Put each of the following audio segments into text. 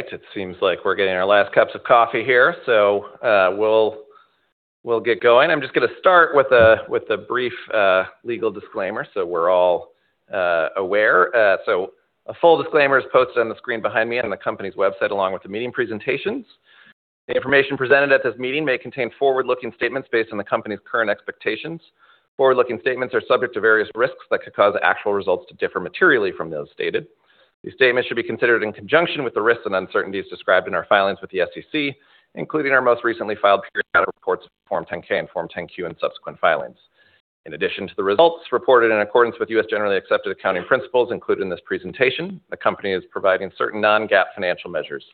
All right. It seems like we're getting our last cups of coffee here, so, we'll get going. I'm just gonna start with a brief legal disclaimer so we're all aware. A full disclaimer is posted on the screen behind me and the company's website, along with the meeting presentations. The information presented at this meeting may contain forward-looking statements based on the company's current expectations. Forward-looking statements are subject to various risks that could cause actual results to differ materially from those stated. These statements should be considered in conjunction with the risks and uncertainties described in our filings with the SEC, including our most recently filed periodic reports on Form 10-K and Form 10-Q and subsequent filings. In addition to the results reported in accordance with U.S. Generally Accepted Accounting Principles included in this presentation, the company is providing certain non-GAAP financial measures.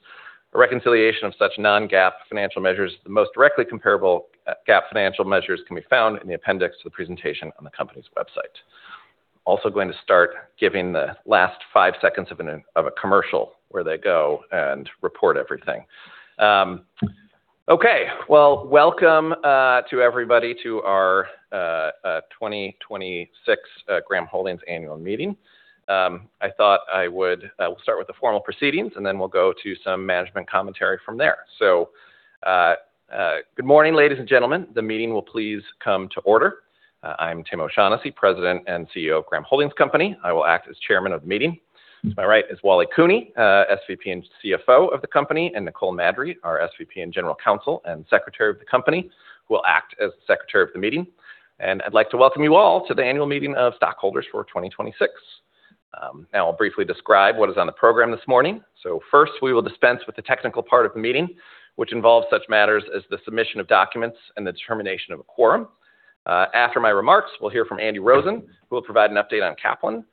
A reconciliation of such non-GAAP financial measures, the most directly comparable GAAP financial measures can be found in the appendix to the presentation on the company's website. Going to start giving the last 5 seconds of a commercial where they go and report everything. Welcome to everybody to our 2026 Graham Holdings annual meeting. We'll start with the formal proceedings, then we'll go to some management commentary from there. Good morning, ladies and gentlemen. The meeting will please come to order. I'm Tim O'Shaughnessy, President and CEO of Graham Holdings Company. I will act as Chairman of the meeting. To my right is Wally Cooney, SVP and CFO of the company, and Nicole Maddrey, our SVP and General Counsel and Secretary of the company, who will act as Secretary of the meeting. I'd like to welcome you all to the annual meeting of stockholders for 2026. Now I'll briefly describe what is on the program this morning. First, we will dispense with the technical part of the meeting, which involves such matters as the submission of documents and the determination of a quorum. After my remarks, we'll hear from Andy Rosen, who will provide an update on Kaplan.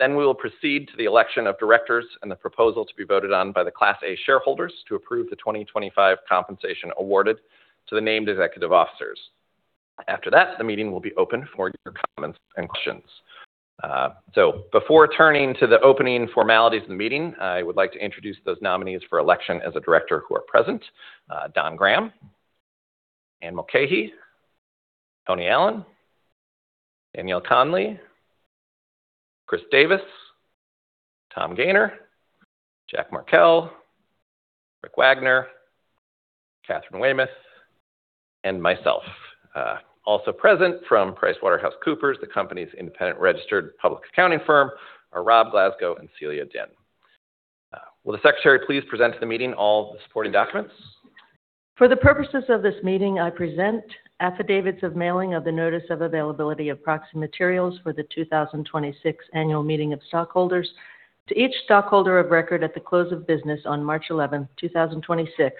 We will proceed to the election of directors and the proposal to be voted on by the Class A shareholders to approve the 2025 compensation awarded to the named executive officers. After that, the meeting will be open for your comments and questions. Before turning to the opening formalities of the meeting, I would like to introduce those nominees for election as a director who are present. Don Graham, Anne Mulcahy, Tony Allen, Danielle Conley, Chris Davis, Tom Gayner, Jack Markell, Rick Wagoner, Katharine Weymouth, and myself. Also present from PricewaterhouseCoopers, the company's independent registered public accounting firm, are Rob Glasgow and Celia Din. Will the secretary please present to the meeting all the supporting documents? For the purposes of this meeting, I present affidavits of mailing of the notice of availability of proxy materials for the 2026 annual meeting of stockholders to each stockholder of record at the close of business on March 11, 2026,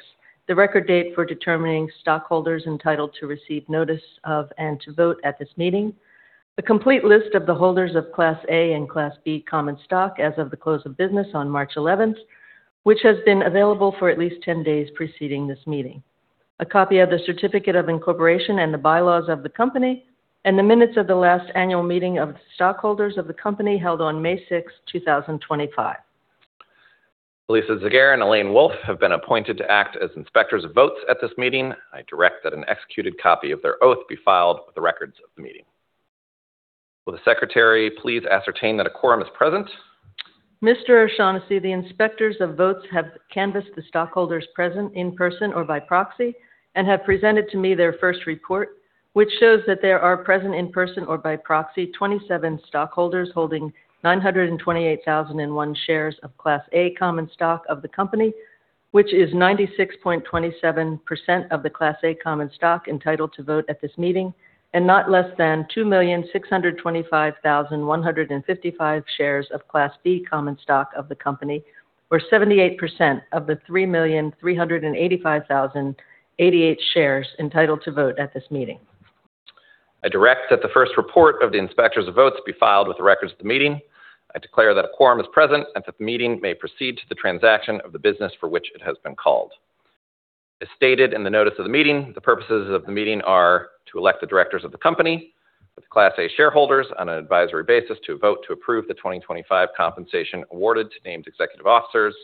the record date for determining stockholders entitled to receive notice of and to vote at this meeting. The complete list of the holders of Class A and Class B common stock as of the close of business on March 11, which has been available for at least 10 days preceding this meeting. A copy of the certificate of incorporation and the bylaws of the company, and the minutes of the last annual meeting of the stockholders of the company held on May 6, 2025. Elisa Zegarra and Elaine Wolff have been appointed to act as inspectors of votes at this meeting. I direct that an executed copy of their oath be filed with the records of the meeting. Will the secretary please ascertain that a quorum is present? Mr. O'Shaughnessy, the inspectors of votes have canvassed the stockholders present in person or by proxy and have presented to me their first report, which shows that there are present in person or by proxy 27 stockholders holding 928,001 shares of Class A common stock of the company, which is 96.27% of the Class A common stock entitled to vote at this meeting, and not less than 2,625,155 shares of Class B common stock of the company, or 78% of the 3,385,088 shares entitled to vote at this meeting. I direct that the first report of the inspectors of votes be filed with the records of the meeting. I declare that a quorum is present and that the meeting may proceed to the transaction of the business for which it has been called. As stated in the notice of the meeting, the purposes of the meeting are to elect the directors of the company with the Class A shareholders on an advisory basis to vote to approve the 2025 compensation awarded to named executive officers.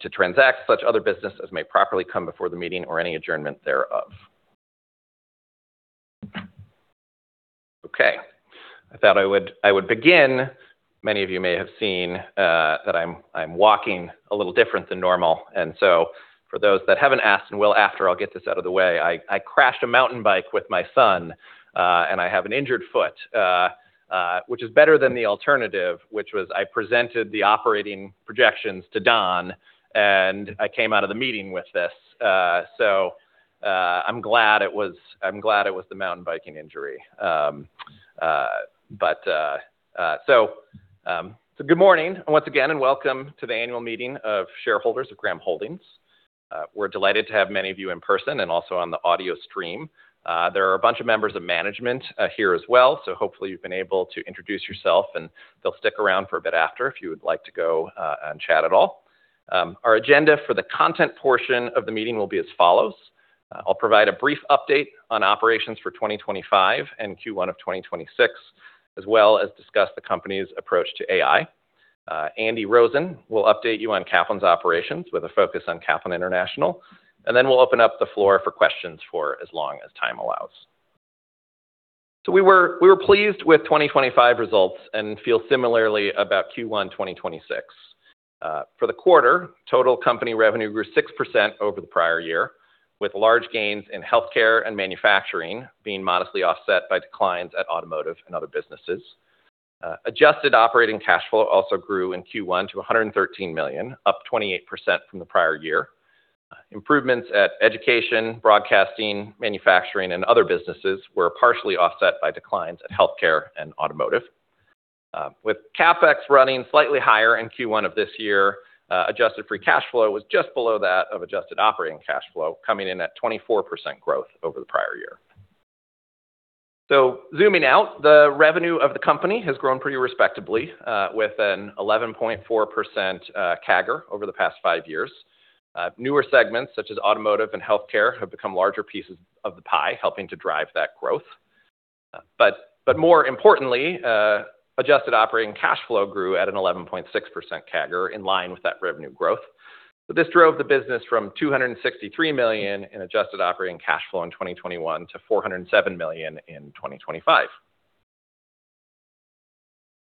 To transact such other business as may properly come before the meeting or any adjournment thereof. Okay. I thought I would begin. Many of you may have seen that I'm walking a little different than normal. For those that haven't asked, and will after, I'll get this out of the way. I crashed a mountain bike with my son, and I have an injured foot, which is better than the alternative, which was I presented the operating projections to Don, and I came out of the meeting with this. I'm glad it was the mountain biking injury. Good morning once again and welcome to the annual meeting of shareholders of Graham Holdings. We're delighted to have many of you in person and also on the audio stream. There are a bunch of members of management here as well, hopefully you've been able to introduce yourself, and they'll stick around for a bit after if you would like to go and chat at all. Our agenda for the content portion of the meeting will be as follows. I'll provide a brief update on operations for 2025 and Q1 of 2026, as well as discuss the company's approach to AI. Andy Rosen will update you on Kaplan's operations with a focus on Kaplan International. We'll open up the floor for questions for as long as time allows. We were pleased with 2025 results and feel similarly about Q1 2026. For the quarter, total company revenue grew 6% over the prior year, with large gains in healthcare and manufacturing being modestly offset by declines at automotive and other businesses. Adjusted operating cash flow also grew in Q1 to $113 million, up 28% from the prior year. Improvements at education, broadcasting, manufacturing, and other businesses were partially offset by declines at healthcare and automotive. With CapEx running slightly higher in Q1 of this year, adjusted free cash flow was just below that of adjusted operating cash flow, coming in at 24% growth over the prior year. Zooming out, the revenue of the company has grown pretty respectably, with an 11.4% CAGR over the past 5 years. Newer segments such as automotive and healthcare have become larger pieces of the pie, helping to drive that growth. More importantly, adjusted operating cash flow grew at an 11.6% CAGR in line with that revenue growth. This drove the business from $263 million in adjusted operating cash flow in 2021 to $407 million in 2025.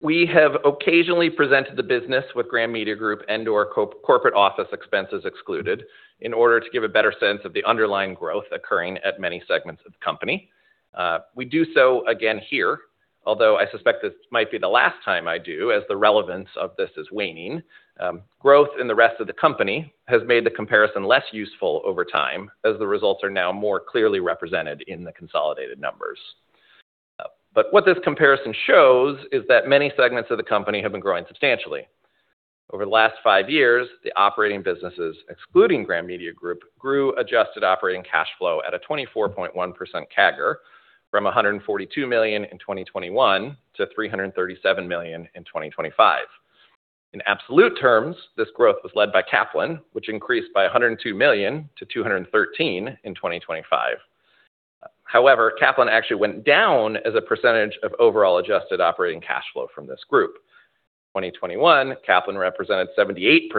We have occasionally presented the business with Graham Media Group and/or corporate office expenses excluded in order to give a better sense of the underlying growth occurring at many segments of the company. We do so again here, although I suspect this might be the last time I do, as the relevance of this is waning. Growth in the rest of the company has made the comparison less useful over time, as the results are now more clearly represented in the consolidated numbers. What this comparison shows is that many segments of the company have been growing substantially. Over the last five years, the operating businesses, excluding Graham Media Group, grew adjusted operating cash flow at a 24.1% CAGR from $142 million in 2021 to $337 million in 2025. In absolute terms, this growth was led by Kaplan, which increased by $102 million to $213 million in 2025. However, Kaplan actually went down as a percentage of overall adjusted operating cash flow from this group. 2021, Kaplan represented 78%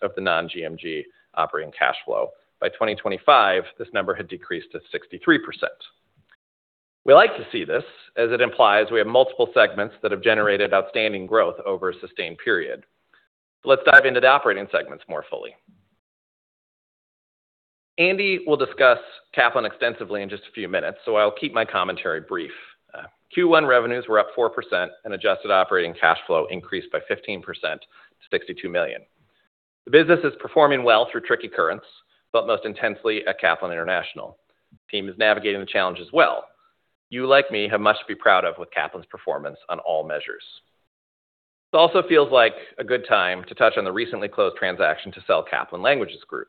of the non-GMG operating cash flow. By 2025, this number had decreased to 63%. We like to see this, as it implies we have multiple segments that have generated outstanding growth over a sustained period. Let's dive into the operating segments more fully. Andy will discuss Kaplan extensively in just a few minutes, so I'll keep my commentary brief. Q1 revenues were up 4%, and adjusted operating cash flow increased by 15% to $62 million. The business is performing well through tricky currents, but most intensely at Kaplan International. Team is navigating the challenges well. You, like me, have much to be proud of with Kaplan's performance on all measures. This also feels like a good time to touch on the recently closed transaction to sell Kaplan Languages Group.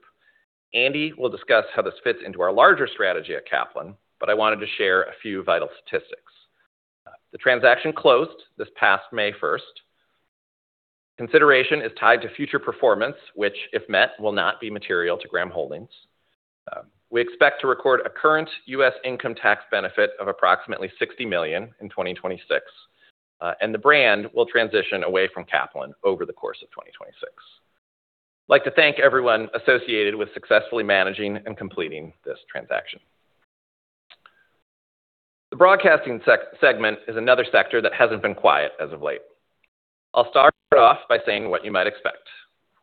Andy will discuss how this fits into our larger strategy at Kaplan, but I wanted to share a few vital statistics. The transaction closed this past May 1st. Consideration is tied to future performance, which, if met, will not be material to Graham Holdings. We expect to record a current U.S. income tax benefit of approximately $60 million in 2026, and the brand will transition away from Kaplan over the course of 2026. I'd like to thank everyone associated with successfully managing and completing this transaction. The broadcasting segment is another sector that hasn't been quiet as of late. I'll start off by saying what you might expect.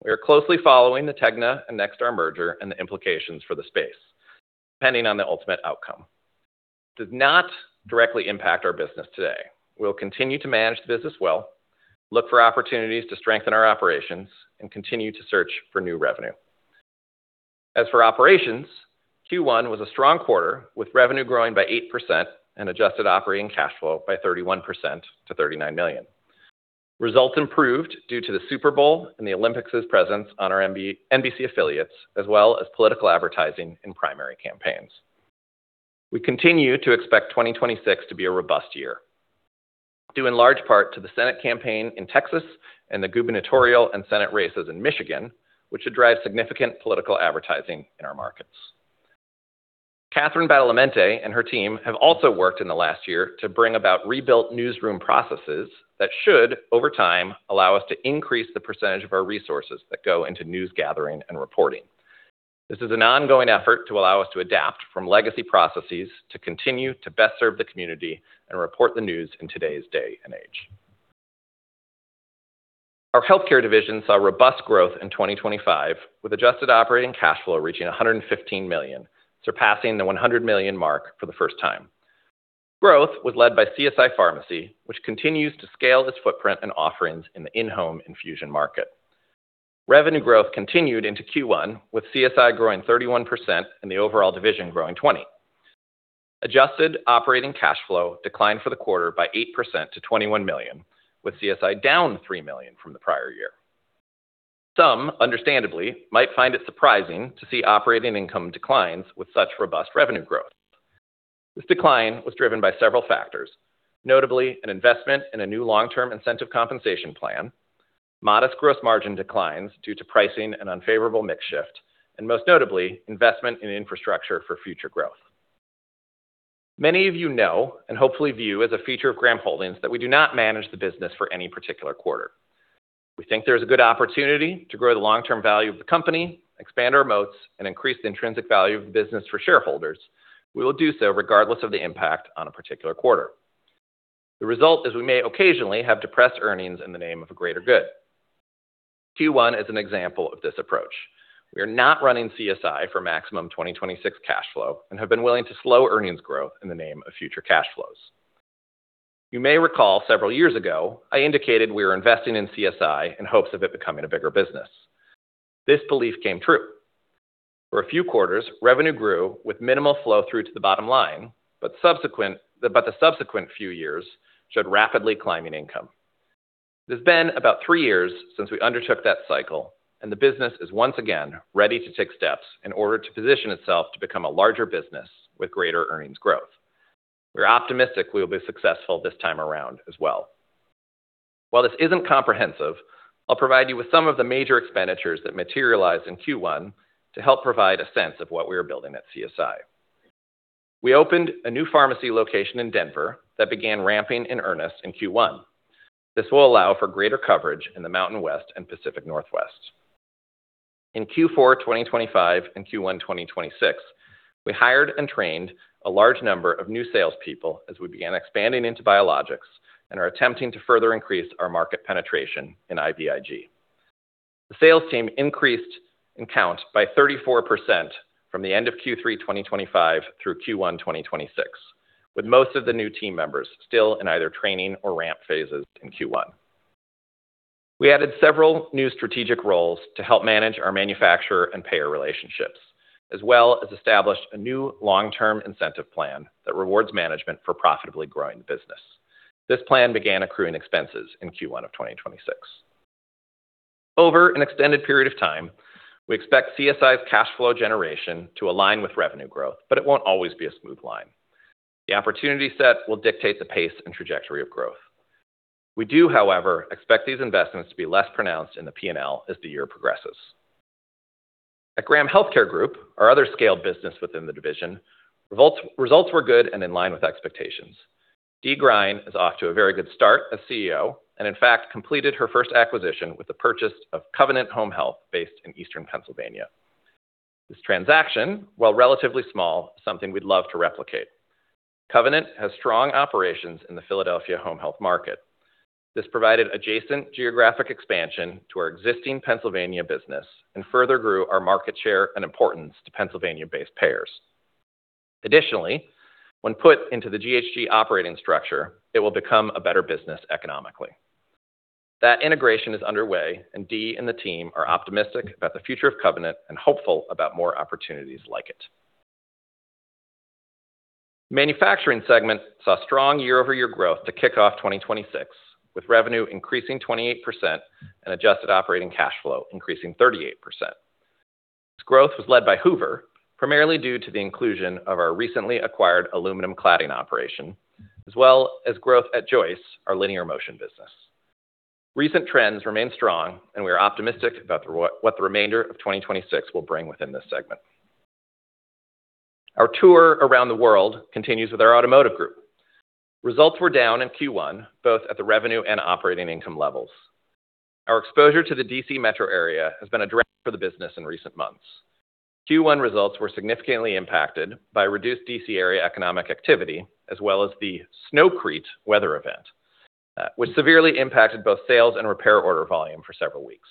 We are closely following the Tegna and Nexstar merger and the implications for the space, depending on the ultimate outcome. This does not directly impact our business today. We'll continue to manage the business well, look for opportunities to strengthen our operations, and continue to search for new revenue. As for operations, Q1 was a strong quarter, with revenue growing by 8% and adjusted operating cash flow by 31% to $39 million. Results improved due to the Super Bowl and the Olympics' presence on our NBC affiliates, as well as political advertising and primary campaigns. We continue to expect 2026 to be a robust year, due in large part to the Senate campaign in Texas and the gubernatorial and Senate races in Michigan, which should drive significant political advertising in our markets. Catherine Badalamente and her team have also worked in the last year to bring about rebuilt newsroom processes that should, over time, allow us to increase the percentage of our resources that go into news gathering and reporting. This is an ongoing effort to allow us to adapt from legacy processes to continue to best serve the community and report the news in today's day and age. Our healthcare division saw robust growth in 2025, with adjusted operating cash flow reaching $115 million, surpassing the $100 million mark for the first time. Growth was led by CSI Pharmacy, which continues to scale its footprint and offerings in the in-home infusion market. Revenue growth continued into Q1, with CSI growing 31% and the overall division growing 20%. Adjusted operating cash flow declined for the quarter by 8% to $21 million, with CSI down $3 million from the prior year. Some, understandably, might find it surprising to see operating income declines with such robust revenue growth. This decline was driven by several factors, notably an investment in a new long-term incentive compensation plan, modest gross margin declines due to pricing and unfavorable mix shift, and most notably, investment in infrastructure for future growth. Many of you know, and hopefully view as a feature of Graham Holdings, that we do not manage the business for any particular quarter. We think there's a good opportunity to grow the long-term value of the company, expand our moats, and increase the intrinsic value of the business for shareholders. We will do so regardless of the impact on a particular quarter. The result is we may occasionally have depressed earnings in the name of a greater good. Q1 is an example of this approach. We are not running CSI for maximum 2026 cash flow and have been willing to slow earnings growth in the name of future cash flows. You may recall several years ago, I indicated we were investing in CSI in hopes of it becoming a bigger business. This belief came true. For a few quarters, revenue grew with minimal flow through to the bottom line, but the subsequent few years showed rapidly climbing income. It has been about 3 years since we undertook that cycle, and the business is once again ready to take steps in order to position itself to become a larger business with greater earnings growth. We're optimistic we will be successful this time around as well. While this isn't comprehensive, I'll provide you with some of the major expenditures that materialize in Q1 to help provide a sense of what we are building at CSI. We opened a new pharmacy location in Denver that began ramping in earnest in Q1. This will allow for greater coverage in the Mountain West and Pacific Northwest. In Q4 2025 and Q1 2026, we hired and trained a large number of new salespeople as we began expanding into biologics and are attempting to further increase our market penetration in IVIG. The sales team increased in count by 34% from the end of Q3 2025 through Q1 2026, with most of the new team members still in either training or ramp phases in Q1. We added several new strategic roles to help manage our manufacturer and payer relationships, as well as established a new long-term incentive plan that rewards management for profitably growing the business. This plan began accruing expenses in Q1 of 2026. Over an extended period of time, we expect CSI's cash flow generation to align with revenue growth, but it won't always be a smooth line. The opportunity set will dictate the pace and trajectory of growth. We do, however, expect these investments to be less pronounced in the P&L as the year progresses. At Graham Healthcare Group, our other scaled business within the division, results were good and in line with expectations. Dee Grein is off to a very good start as CEO, and in fact, completed her first acquisition with the purchase of Covenant Home Health based in Eastern Pennsylvania. This transaction, while relatively small, is something we'd love to replicate. Covenant has strong operations in the Philadelphia home health market. This provided adjacent geographic expansion to our existing Pennsylvania business and further grew our market share and importance to Pennsylvania-based payers. Additionally, when put into the GHG operating structure, it will become a better business economically. That integration is underway, and Dee and the team are optimistic about the future of Covenant and hopeful about more opportunities like it. Manufacturing segment saw strong year-over-year growth to kick off 2026, with revenue increasing 28% and adjusted operating cash flow increasing 38%. This growth was led by Hoover, primarily due to the inclusion of our recently acquired aluminum cladding operation, as well as growth at Joyce, our linear motion business. Recent trends remain strong. We are optimistic about what the remainder of 2026 will bring within this segment. Our tour around the world continues with our automotive group. Results were down in Q1, both at the revenue and operating income levels. Our exposure to the D.C. metro area has been a drain for the business in recent months. Q1 results were significantly impacted by reduced D.C. area economic activity, as well as the Snowcrete weather event, which severely impacted both sales and repair order volume for several weeks.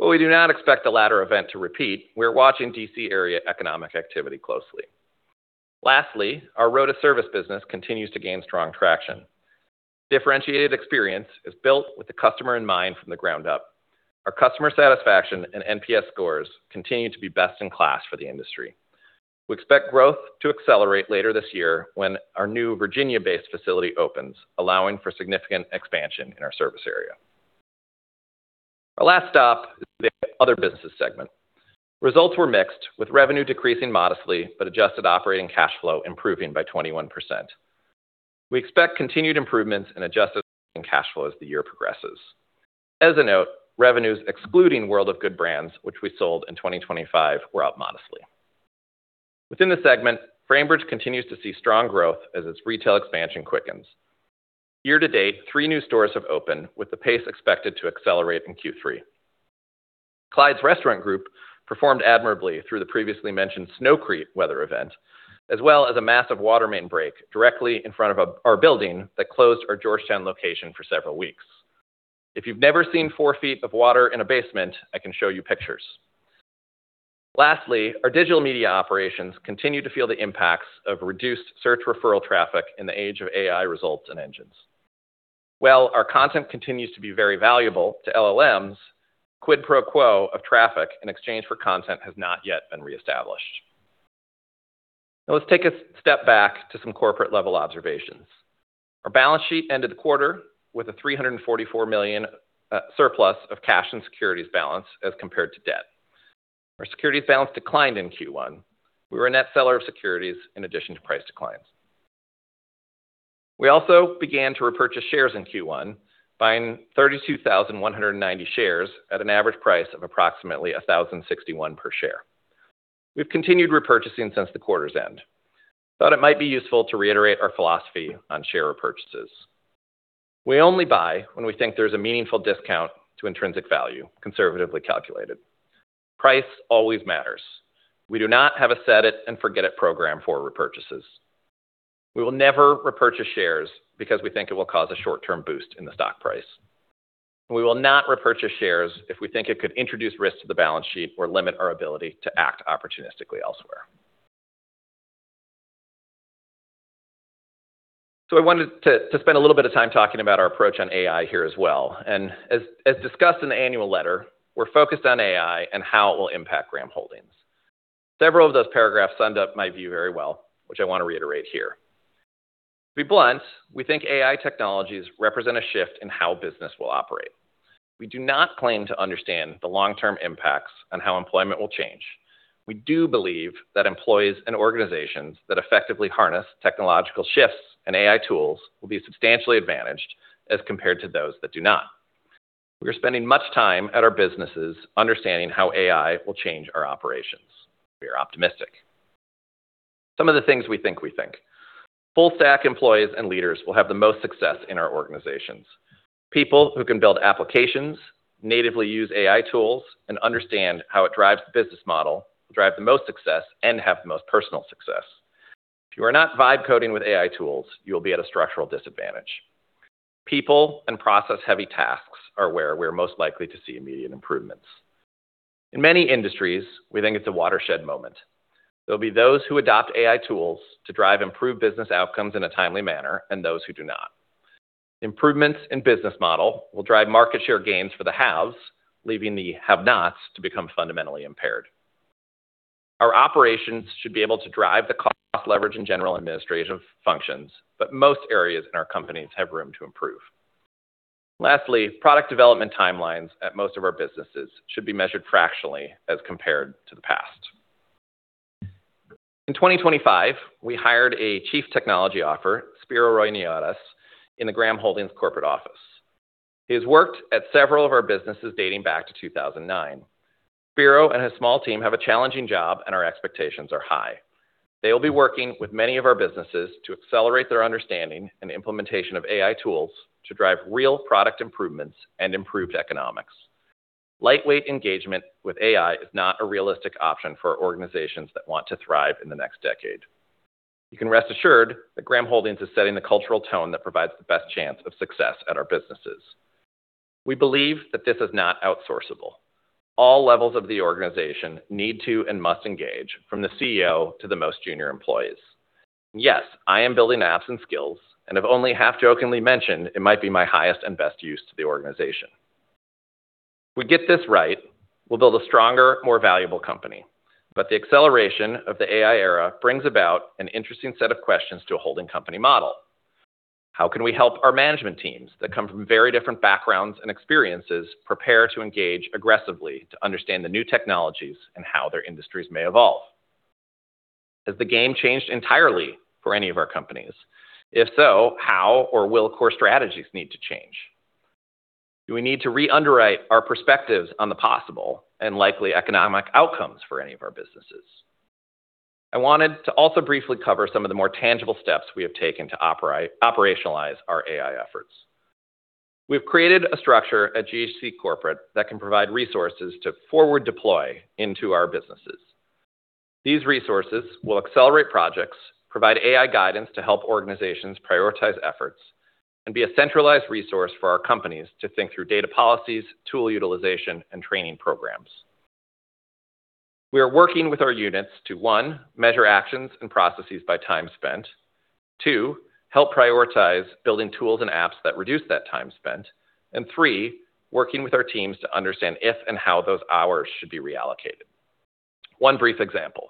While we do not expect the latter event to repeat, we're watching D.C. area economic activity closely. Lastly, our Road to Service business continues to gain strong traction. Differentiated experience is built with the customer in mind from the ground up. Our customer satisfaction and NPS scores continue to be best in class for the industry. We expect growth to accelerate later this year when our new Virginia-based facility opens, allowing for significant expansion in our service area. Our last stop is the other business segment. Results were mixed, with revenue decreasing modestly, but adjusted operating cash flow improving by 21%. We expect continued improvements in adjusted operating cash flow as the year progresses. As a note, revenues excluding World of Good Brands, which we sold in 2025, were up modestly. Within the segment, Framebridge continues to see strong growth as its retail expansion quickens. Year to date, 3 new stores have opened, with the pace expected to accelerate in Q3. Clyde's Restaurant Group performed admirably through the previously mentioned Snowcrete weather event, as well as a massive water main break directly in front of our building that closed our Georgetown location for several weeks. If you've never seen 4 feet of water in a basement, I can show you pictures. Lastly, our digital media operations continue to feel the impacts of reduced search referral traffic in the age of AI results and engines. While our content continues to be very valuable to LLMs, quid pro quo of traffic in exchange for content has not yet been reestablished. Let's take a step back to some corporate-level observations. Our balance sheet ended the quarter with a $344 million surplus of cash and securities balance as compared to debt. Our securities balance declined in Q1. We were a net seller of securities in addition to price declines. We also began to repurchase shares in Q1, buying 32,190 shares at an average price of approximately $1,061 per share. We've continued repurchasing since the quarter's end. Thought it might be useful to reiterate our philosophy on share repurchases. We only buy when we think there's a meaningful discount to intrinsic value, conservatively calculated. Price always matters. We do not have a set it and forget it program for repurchases. We will never repurchase shares because we think it will cause a short-term boost in the stock price. We will not repurchase shares if we think it could introduce risk to the balance sheet or limit our ability to act opportunistically elsewhere. I wanted to spend a little bit of time talking about our approach on AI here as well. As discussed in the annual letter, we're focused on AI and how it will impact Graham Holdings. Several of those paragraphs summed up my view very well, which I want to reiterate here. To be blunt, we think AI technologies represent a shift in how business will operate. We do not claim to understand the long-term impacts on how employment will change. We do believe that employees and organizations that effectively harness technological shifts and AI tools will be substantially advantaged as compared to those that do not. We are spending much time at our businesses understanding how AI will change our operations. We are optimistic. Some of the things we think. Full stack employees and leaders will have the most success in our organizations. People who can build applications, natively use AI tools, and understand how it drives the business model will drive the most success and have the most personal success. If you are not vibe coding with AI tools, you will be at a structural disadvantage. People and process-heavy tasks are where we're most likely to see immediate improvements. In many industries, we think it's a watershed moment. There will be those who adopt AI tools to drive improved business outcomes in a timely manner and those who do not. Improvements in business model will drive market share gains for the haves, leaving the have-nots to become fundamentally impaired. Our operations should be able to drive the cost leverage in general administrative functions, most areas in our companies have room to improve. Lastly, product development timelines at most of our businesses should be measured fractionally as compared to the past. In 2025, we hired a chief technology officer, Spiro Roinous, in the Graham Holdings corporate office. He has worked at several of our businesses dating back to 2009. Spiro and his small team have a challenging job, our expectations are high. They will be working with many of our businesses to accelerate their understanding and implementation of AI tools to drive real product improvements and improved economics. Lightweight engagement with AI is not a realistic option for organizations that want to thrive in the next decade. You can rest assured that Graham Holdings is setting the cultural tone that provides the best chance of success at our businesses. We believe that this is not outsourceable. All levels of the organization need to and must engage, from the CEO to the most junior employees. Yes, I am building apps and skills, and have only half-jokingly mentioned it might be my highest and best use to the organization. If we get this right, we'll build a stronger, more valuable company. The acceleration of the AI era brings about an interesting set of questions to a holding company model. How can we help our management teams that come from very different backgrounds and experiences prepare to engage aggressively to understand the new technologies and how their industries may evolve? Has the game changed entirely for any of our companies? If so, how or will core strategies need to change? Do we need to re-underwrite our perspectives on the possible and likely economic outcomes for any of our businesses? I wanted to also briefly cover some of the more tangible steps we have taken to operationalize our AI efforts. We've created a structure at GHC Corporate that can provide resources to forward deploy into our businesses. These resources will accelerate projects, provide AI guidance to help organizations prioritize efforts, and be a centralized resource for our companies to think through data policies, tool utilization, and training programs. We are working with our units to, 1, measure actions and processes by time spent. 2, help prioritize building tools and apps that reduce that time spent. 3, working with our teams to understand if and how those hours should be reallocated. One brief example.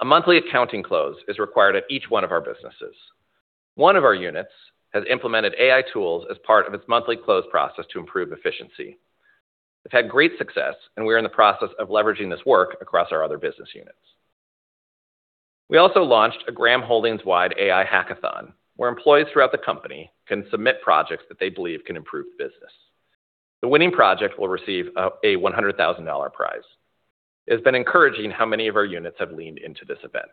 A monthly accounting close is required at each one of our businesses. One of our units has implemented AI tools as part of its monthly close process to improve efficiency. They've had great success, and we are in the process of leveraging this work across our other business units. We also launched a Graham Holdings-wide AI hackathon, where employees throughout the company can submit projects that they believe can improve the business. The winning project will receive a $100,000 prize. It has been encouraging how many of our units have leaned into this event.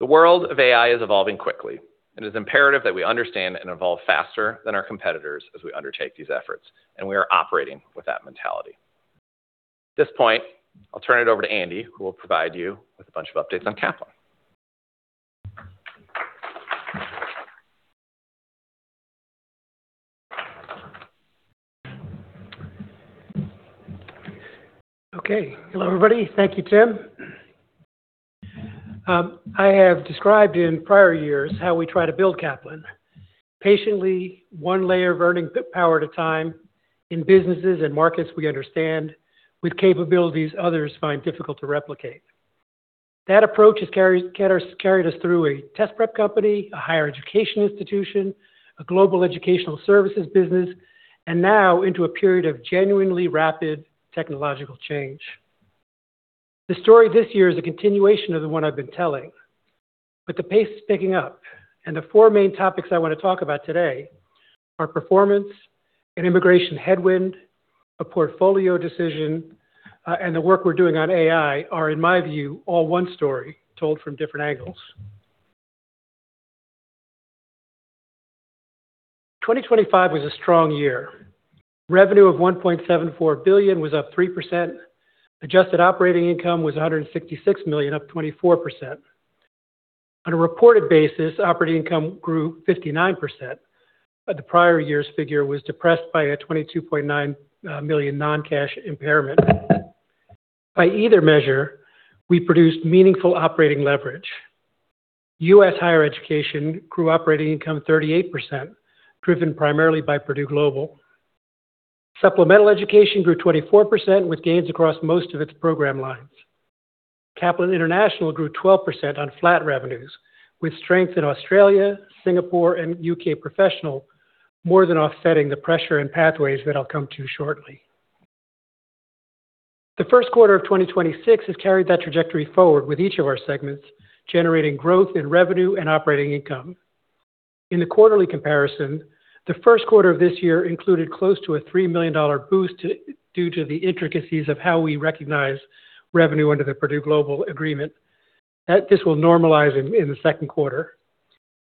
The world of AI is evolving quickly. It is imperative that we understand and evolve faster than our competitors as we undertake these efforts. We are operating with that mentality. At this point, I'll turn it over to Andy, who will provide you with a bunch of updates on Kaplan. Okay. Hello, everybody. Thank you, Tim. I have described in prior years how we try to build Kaplan. Patiently, one layer of earning power at a time in businesses and markets we understand with capabilities others find difficult to replicate. That approach has carried us through a test prep company, a higher education institution, a global educational services business, and now into a period of genuinely rapid technological change. The story this year is a continuation of the one I've been telling. The pace is picking up, and the four main topics I want to talk about today are performance, an immigration headwind, a portfolio decision, and the work we're doing on AI are, in my view, all one story told from different angles. 2025 was a strong year. Revenue of $1.74 billion was up 3%. Adjusted operating income was $166 million, up 24%. On a reported basis, operating income grew 59%, but the prior year's figure was depressed by a $22.9 million non-cash impairment. By either measure, we produced meaningful operating leverage. U.S. higher education grew operating income 38%, driven primarily by Purdue Global. Supplemental education grew 24% with gains across most of its program lines. Kaplan International grew 12% on flat revenues, with strength in Australia, Singapore, and U.K. Professional more than offsetting the pressure in Pathways that I'll come to shortly. The first quarter of 2026 has carried that trajectory forward with each of our segments generating growth in revenue and operating income. In the quarterly comparison, the first quarter of this year included close to a $3 million boost due to the intricacies of how we recognize revenue under the Purdue Global agreement. This will normalize in the second quarter.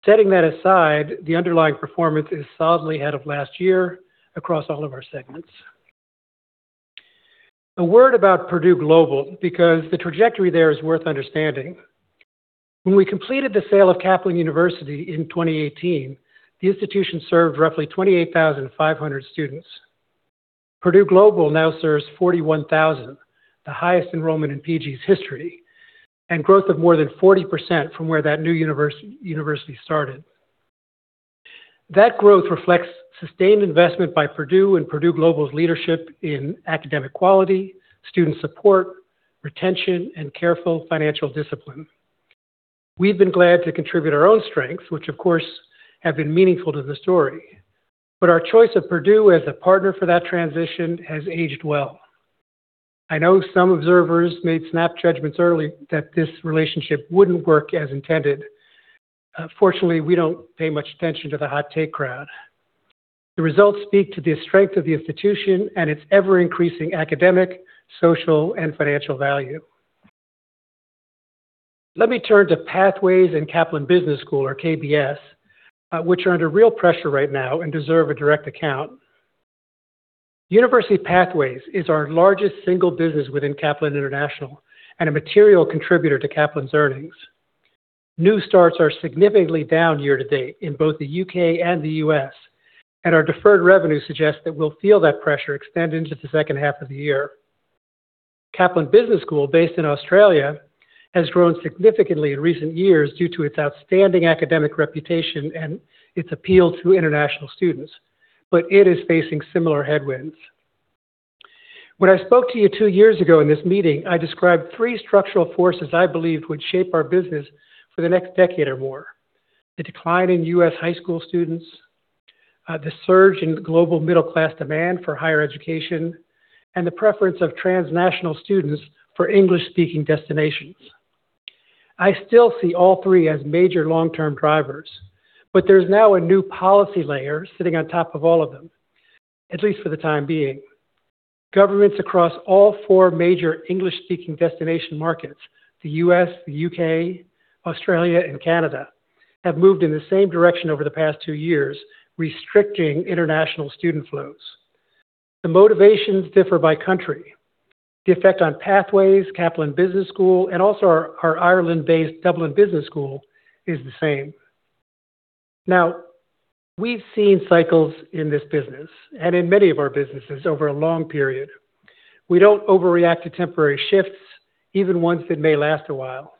Setting that aside, the underlying performance is solidly ahead of last year across all of our segments. A word about Purdue Global, because the trajectory there is worth understanding. When we completed the sale of Kaplan University in 2018, the institution served roughly 28,500 students. Purdue Global now serves 41,000, the highest enrollment in PG's history, and growth of more than 40% from where that new university started. That growth reflects sustained investment by Purdue and Purdue Global's leadership in academic quality, student support, retention, and careful financial discipline. We've been glad to contribute our own strengths, which of course have been meaningful to the story. Our choice of Purdue as a partner for that transition has aged well. I know some observers made snap judgments early that this relationship wouldn't work as intended. Fortunately, we don't pay much attention to the hot take crowd. The results speak to the strength of the institution and its ever-increasing academic, social, and financial value. Let me turn to Pathways and Kaplan Business School or KBS, which are under real pressure right now and deserve a direct account. University Pathways is our largest single business within Kaplan International and a material contributor to Kaplan's earnings. New starts are significantly down year to date in both the U.K. and the U.S., our deferred revenue suggests that we'll feel that pressure extend into the second half of the year. Kaplan Business School, based in Australia, has grown significantly in recent years due to its outstanding academic reputation and its appeal to international students, but it is facing similar headwinds. When I spoke to you two years ago in this meeting, I described three structural forces I believed would shape our business for the next decade or more. The decline in U.S. high school students, the surge in global middle-class demand for higher education, and the preference of transnational students for English-speaking destinations. I still see all three as major long-term drivers, but there's now a new policy layer sitting on top of all of them, at least for the time being. Governments across all four major English-speaking destination markets, the U.S., the U.K., Australia, and Canada, have moved in the same direction over the past two years, restricting international student flows. The motivations differ by country. The effect on Pathways, Kaplan Business School, and also our Ireland-based Dublin Business School is the same. Now, we've seen cycles in this business and in many of our businesses over a long period. We don't overreact to temporary shifts, even ones that may last a while.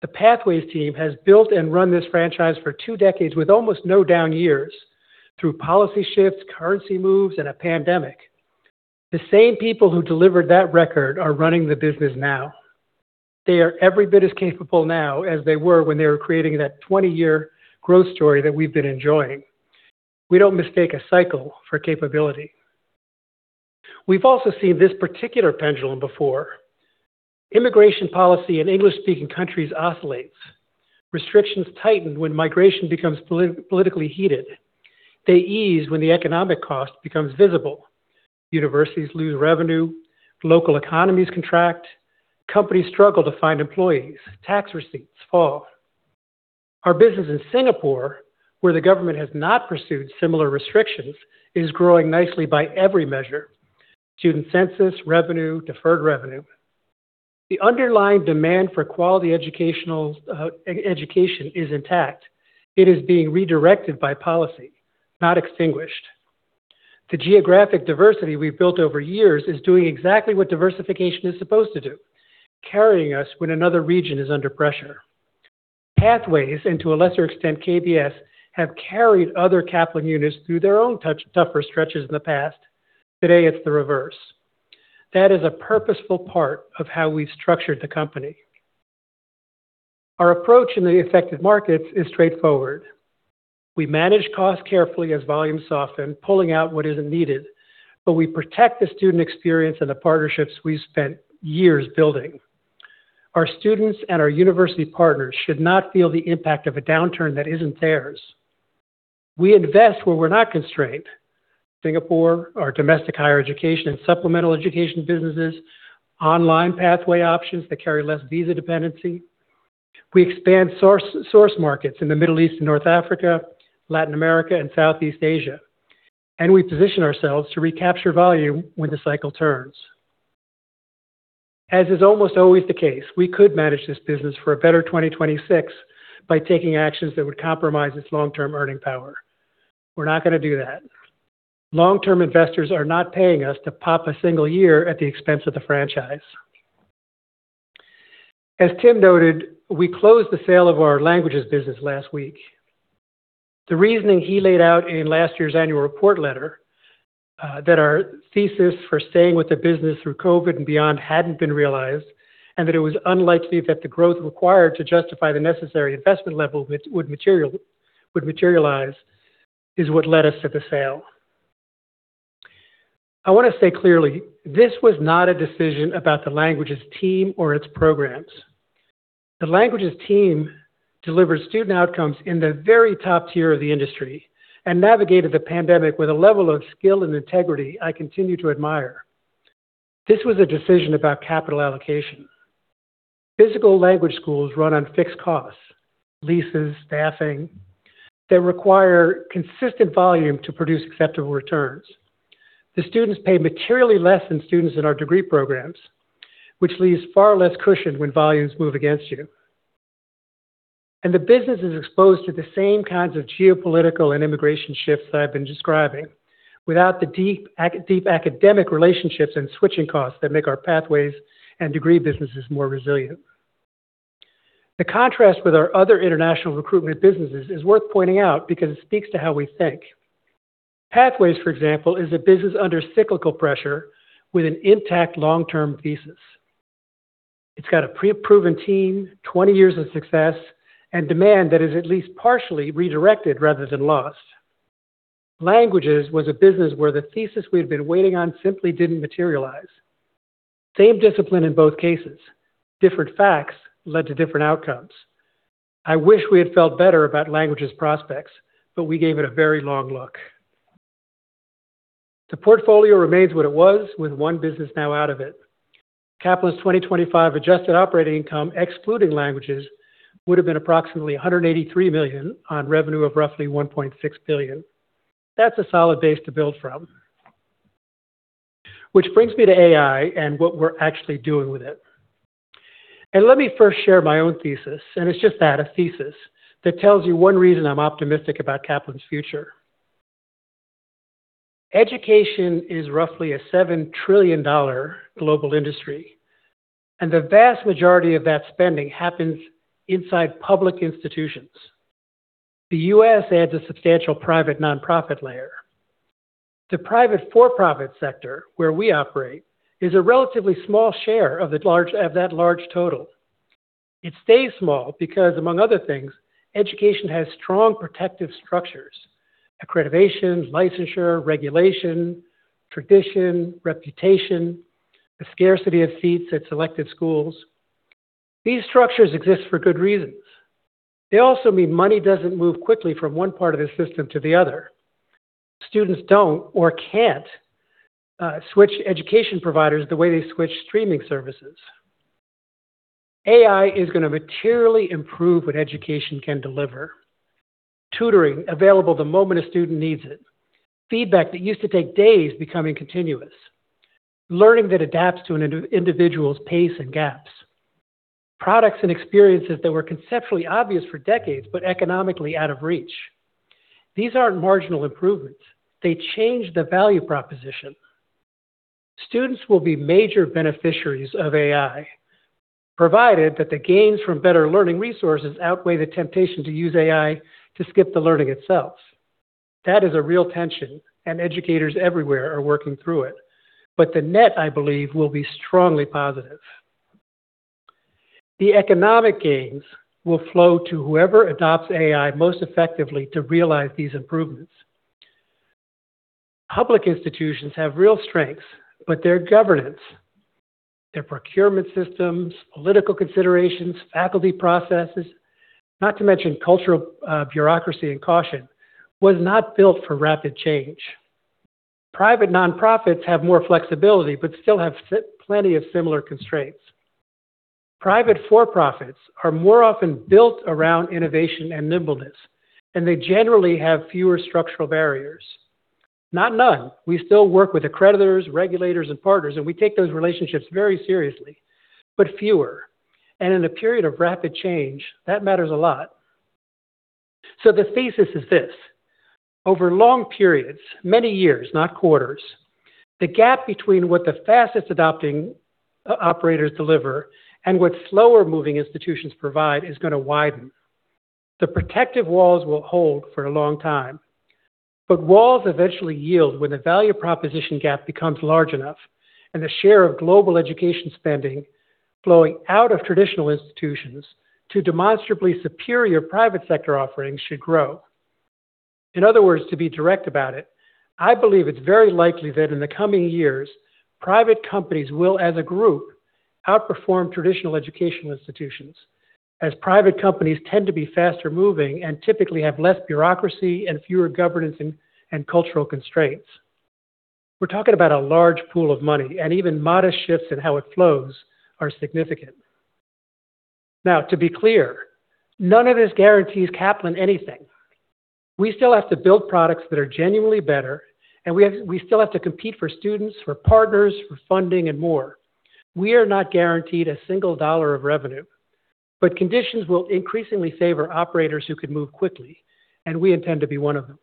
The Pathways team has built and run this franchise for 2 decades with almost no down years through policy shifts, currency moves, and a pandemic. The same people who delivered that record are running the business now. They are every bit as capable now as they were when they were creating that 20-year growth story that we've been enjoying. We don't mistake a cycle for capability. We've also seen this particular pendulum before. Immigration policy in English-speaking countries oscillates. Restrictions tighten when migration becomes politically heated. They ease when the economic cost becomes visible. Universities lose revenue, local economies contract, companies struggle to find employees, tax receipts fall. Our business in Singapore, where the government has not pursued similar restrictions, is growing nicely by every measure: student census, revenue, deferred revenue. The underlying demand for quality educational e-education is intact. It is being redirected by policy, not extinguished. The geographic diversity we've built over years is doing exactly what diversification is supposed to do, carrying us when another region is under pressure. Pathways, and to a lesser extent, KBS, have carried other Kaplan units through their own tougher stretches in the past. Today, it's the reverse. That is a purposeful part of how we've structured the company. Our approach in the affected markets is straightforward. We manage costs carefully as volumes soften, pulling out what isn't needed, but we protect the student experience and the partnerships we've spent years building. Our students and our university partners should not feel the impact of a downturn that isn't theirs. We invest where we're not constrained: Singapore, our domestic higher education and supplemental education businesses, online pathway options that carry less visa dependency. We expand source markets in the Middle East and North Africa, Latin America, and Southeast Asia. We position ourselves to recapture volume when the cycle turns. As is almost always the case, we could manage this business for a better 2026 by taking actions that would compromise its long-term earning power. We're not gonna do that. Long-term investors are not paying us to pop a single year at the expense of the franchise. As Tim noted, we closed the sale of our Kaplan Languages Group last week. The reasoning he laid out in last year's annual report letter that our thesis for staying with the business through COVID and beyond hadn't been realized, and that it was unlikely that the growth required to justify the necessary investment level would materialize is what led us to the sale. I want to say clearly, this was not a decision about the languages team or its programs. The languages team delivered student outcomes in the very top tier of the industry and navigated the pandemic with a level of skill and integrity I continue to admire. This was a decision about capital allocation. Physical language schools run on fixed costs, leases, staffing. They require consistent volume to produce acceptable returns. The students pay materially less than students in our degree programs, which leaves far less cushion when volumes move against you. The business is exposed to the same kinds of geopolitical and immigration shifts that I've been describing without the deep academic relationships and switching costs that make our Pathways and degree businesses more resilient. The contrast with our other international recruitment businesses is worth pointing out because it speaks to how we think. Pathways, for example, is a business under cyclical pressure with an intact long-term thesis. It's got a pre-proven team, 20 years of success, and demand that is at least partially redirected rather than lost. Languages was a business where the thesis we had been waiting on simply didn't materialize. Same discipline in both cases. Different facts led to different outcomes. I wish we had felt better about Languages prospects, but we gave it a very long look. The portfolio remains what it was with 1 business now out of it. Kaplan's 2025 adjusted operating income, excluding languages, would have been approximately $183 million on revenue of roughly $1.6 billion. That's a solid base to build from. That brings me to AI and what we're actually doing with it. Let me first share my own thesis, and it's just that, a thesis, that tells you one reason I'm optimistic about Kaplan's future. Education is roughly a $7 trillion global industry, the vast majority of that spending happens inside public institutions. The U.S. adds a substantial private nonprofit layer. The private for-profit sector, where we operate, is a relatively small share of that large total. It stays small because, among other things, education has strong protective structures: accreditation, licensure, regulation, tradition, reputation, a scarcity of seats at selected schools. These structures exist for good reasons. They also mean money doesn't move quickly from one part of the system to the other. Students don't or can't switch education providers the way they switch streaming services. AI is gonna materially improve what education can deliver. Tutoring available the moment a student needs it. Feedback that used to take days becoming continuous. Learning that adapts to an individual's pace and gaps. Products and experiences that were conceptually obvious for decades but economically out of reach. These aren't marginal improvements. They change the value proposition. Students will be major beneficiaries of AI, provided that the gains from better learning resources outweigh the temptation to use AI to skip the learning itself. That is a real tension. Educators everywhere are working through it. The net, I believe, will be strongly positive. The economic gains will flow to whoever adopts AI most effectively to realize these improvements. Public institutions have real strengths, but their governance, their procurement systems, political considerations, faculty processes, not to mention cultural bureaucracy and caution, was not built for rapid change. Private nonprofits have more flexibility, but still have plenty of similar constraints. Private for-profits are more often built around innovation and nimbleness, and they generally have fewer structural barriers. Not none. We still work with accreditors, regulators, and partners, and we take those relationships very seriously, but fewer. In a period of rapid change, that matters a lot. The thesis is this: Over long periods, many years, not quarters, the gap between what the fastest adopting operators deliver and what slower moving institutions provide is gonna widen. The protective walls will hold for a long time. Walls eventually yield when the value proposition gap becomes large enough and the share of global education spending flowing out of traditional institutions to demonstrably superior private sector offerings should grow. In other words, to be direct about it, I believe it's very likely that in the coming years, private companies will, as a group, outperform traditional educational institutions, as private companies tend to be faster moving and typically have less bureaucracy and fewer governance and cultural constraints. We're talking about a large pool of money, and even modest shifts in how it flows are significant. To be clear, none of this guarantees Kaplan anything. We still have to build products that are genuinely better, and we still have to compete for students, for partners, for funding, and more. We are not guaranteed a single dollar of revenue. Conditions will increasingly favor operators who can move quickly. We intend to be one of them.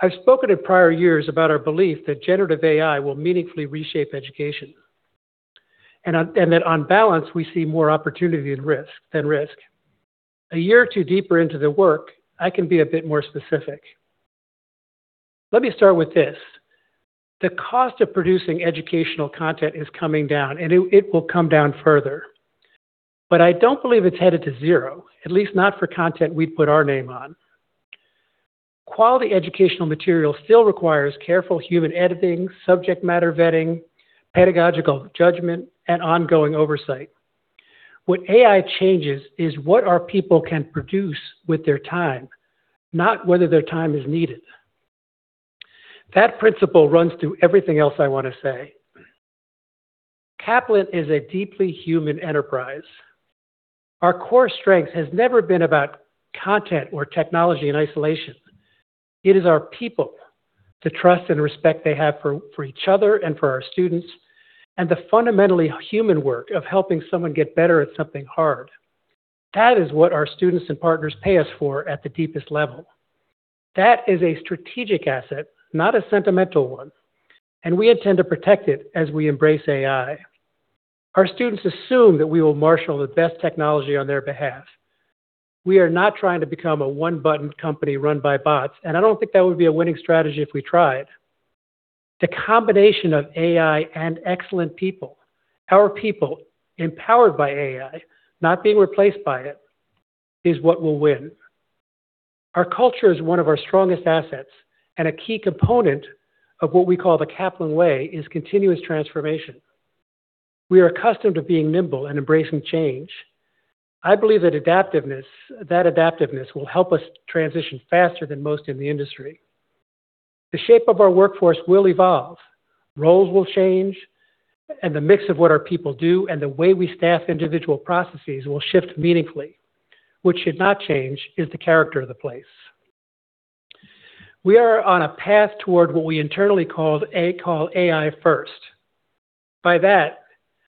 I've spoken in prior years about our belief that generative AI will meaningfully reshape education, that on balance, we see more opportunity than risk. A year or two deeper into the work, I can be a bit more specific. Let me start with this. The cost of producing educational content is coming down, and it will come down further. I don't believe it's headed to zero, at least not for content we put our name on. Quality educational material still requires careful human editing, subject matter vetting, pedagogical judgment, and ongoing oversight. What AI changes is what our people can produce with their time, not whether their time is needed. That principle runs through everything else I wanna say. Kaplan is a deeply human enterprise. Our core strength has never been about content or technology in isolation. It is our people, the trust and respect they have for each other and for our students, and the fundamentally human work of helping someone get better at something hard. That is what our students and partners pay us for at the deepest level. That is a strategic asset, not a sentimental one. We intend to protect it as we embrace AI. Our students assume that we will marshal the best technology on their behalf. We are not trying to become a one-button company run by bots. I don't think that would be a winning strategy if we tried. The combination of AI and excellent people, our people empowered by AI, not being replaced by it, is what will win. Our culture is one of our strongest assets, a key component of what we call The Kaplan Way is continuous transformation. We are accustomed to being nimble and embracing change. I believe that adaptiveness will help us transition faster than most in the industry. The shape of our workforce will evolve, roles will change, the mix of what our people do and the way we staff individual processes will shift meaningfully. What should not change is the character of the place. We are on a path toward what we internally call AI-first. By that,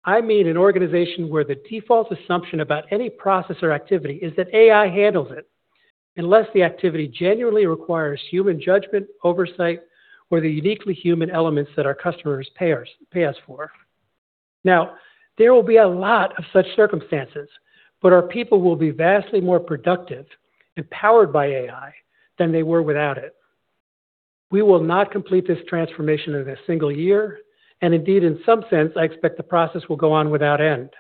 I mean an organization where the default assumption about any process or activity is that AI handles it, unless the activity genuinely requires human judgment, oversight, or the uniquely human elements that our customers pay us for. Now, there will be a lot of such circumstances, but our people will be vastly more productive, empowered by AI than they were without it. We will not complete this transformation in a single year, and indeed, in some sense, I expect the process will go on without end.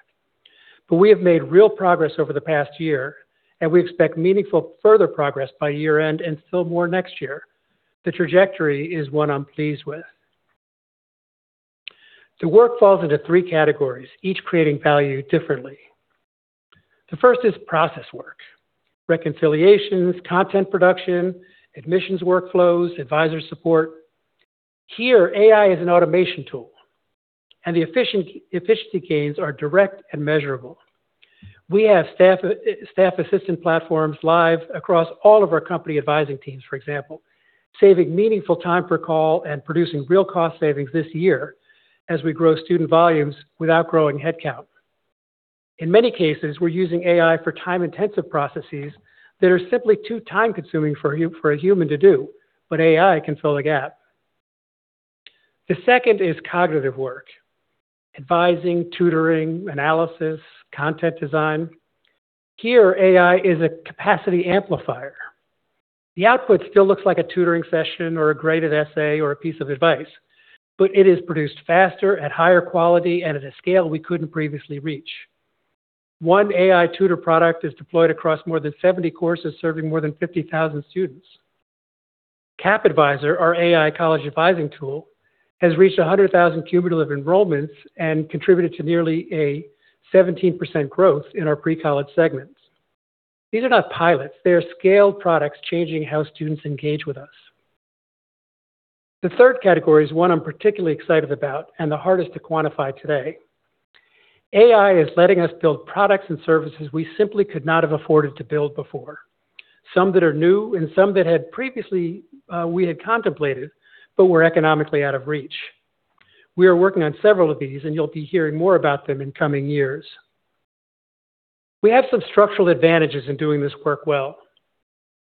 We have made real progress over the past year, and we expect meaningful further progress by year-end and still more next year. The trajectory is one I'm pleased with. The work falls into three categories, each creating value differently. The first is process work. Reconciliations, content production, admissions workflows, advisor support. Here, AI is an automation tool, and the efficiency gains are direct and measurable. We have staff assistant platforms live across all of our company advising teams, for example, saving meaningful time per call and producing real cost savings this year as we grow student volumes without growing headcount. In many cases, we're using AI for time-intensive processes that are simply too time-consuming for a human to do, but AI can fill the gap. The second is cognitive work. Advising, tutoring, analysis, content design. Here, AI is a capacity amplifier. The output still looks like a tutoring session or a graded essay or a piece of advice, but it is produced faster, at higher quality, and at a scale we couldn't previously reach. One AI tutor product is deployed across more than 70 courses, serving more than 50,000 students. KapAdvisor, our AI college advising tool, has reached 100,000 cumulative enrollments and contributed to nearly a 17% growth in our pre-college segments. These are not pilots. They are scaled products changing how students engage with us. The third category is one I'm particularly excited about and the hardest to quantify today. AI is letting us build products and services we simply could not have afforded to build before. Some that are new and some that had previously we had contemplated but were economically out of reach. We are working on several of these, and you'll be hearing more about them in coming years. We have some structural advantages in doing this work well.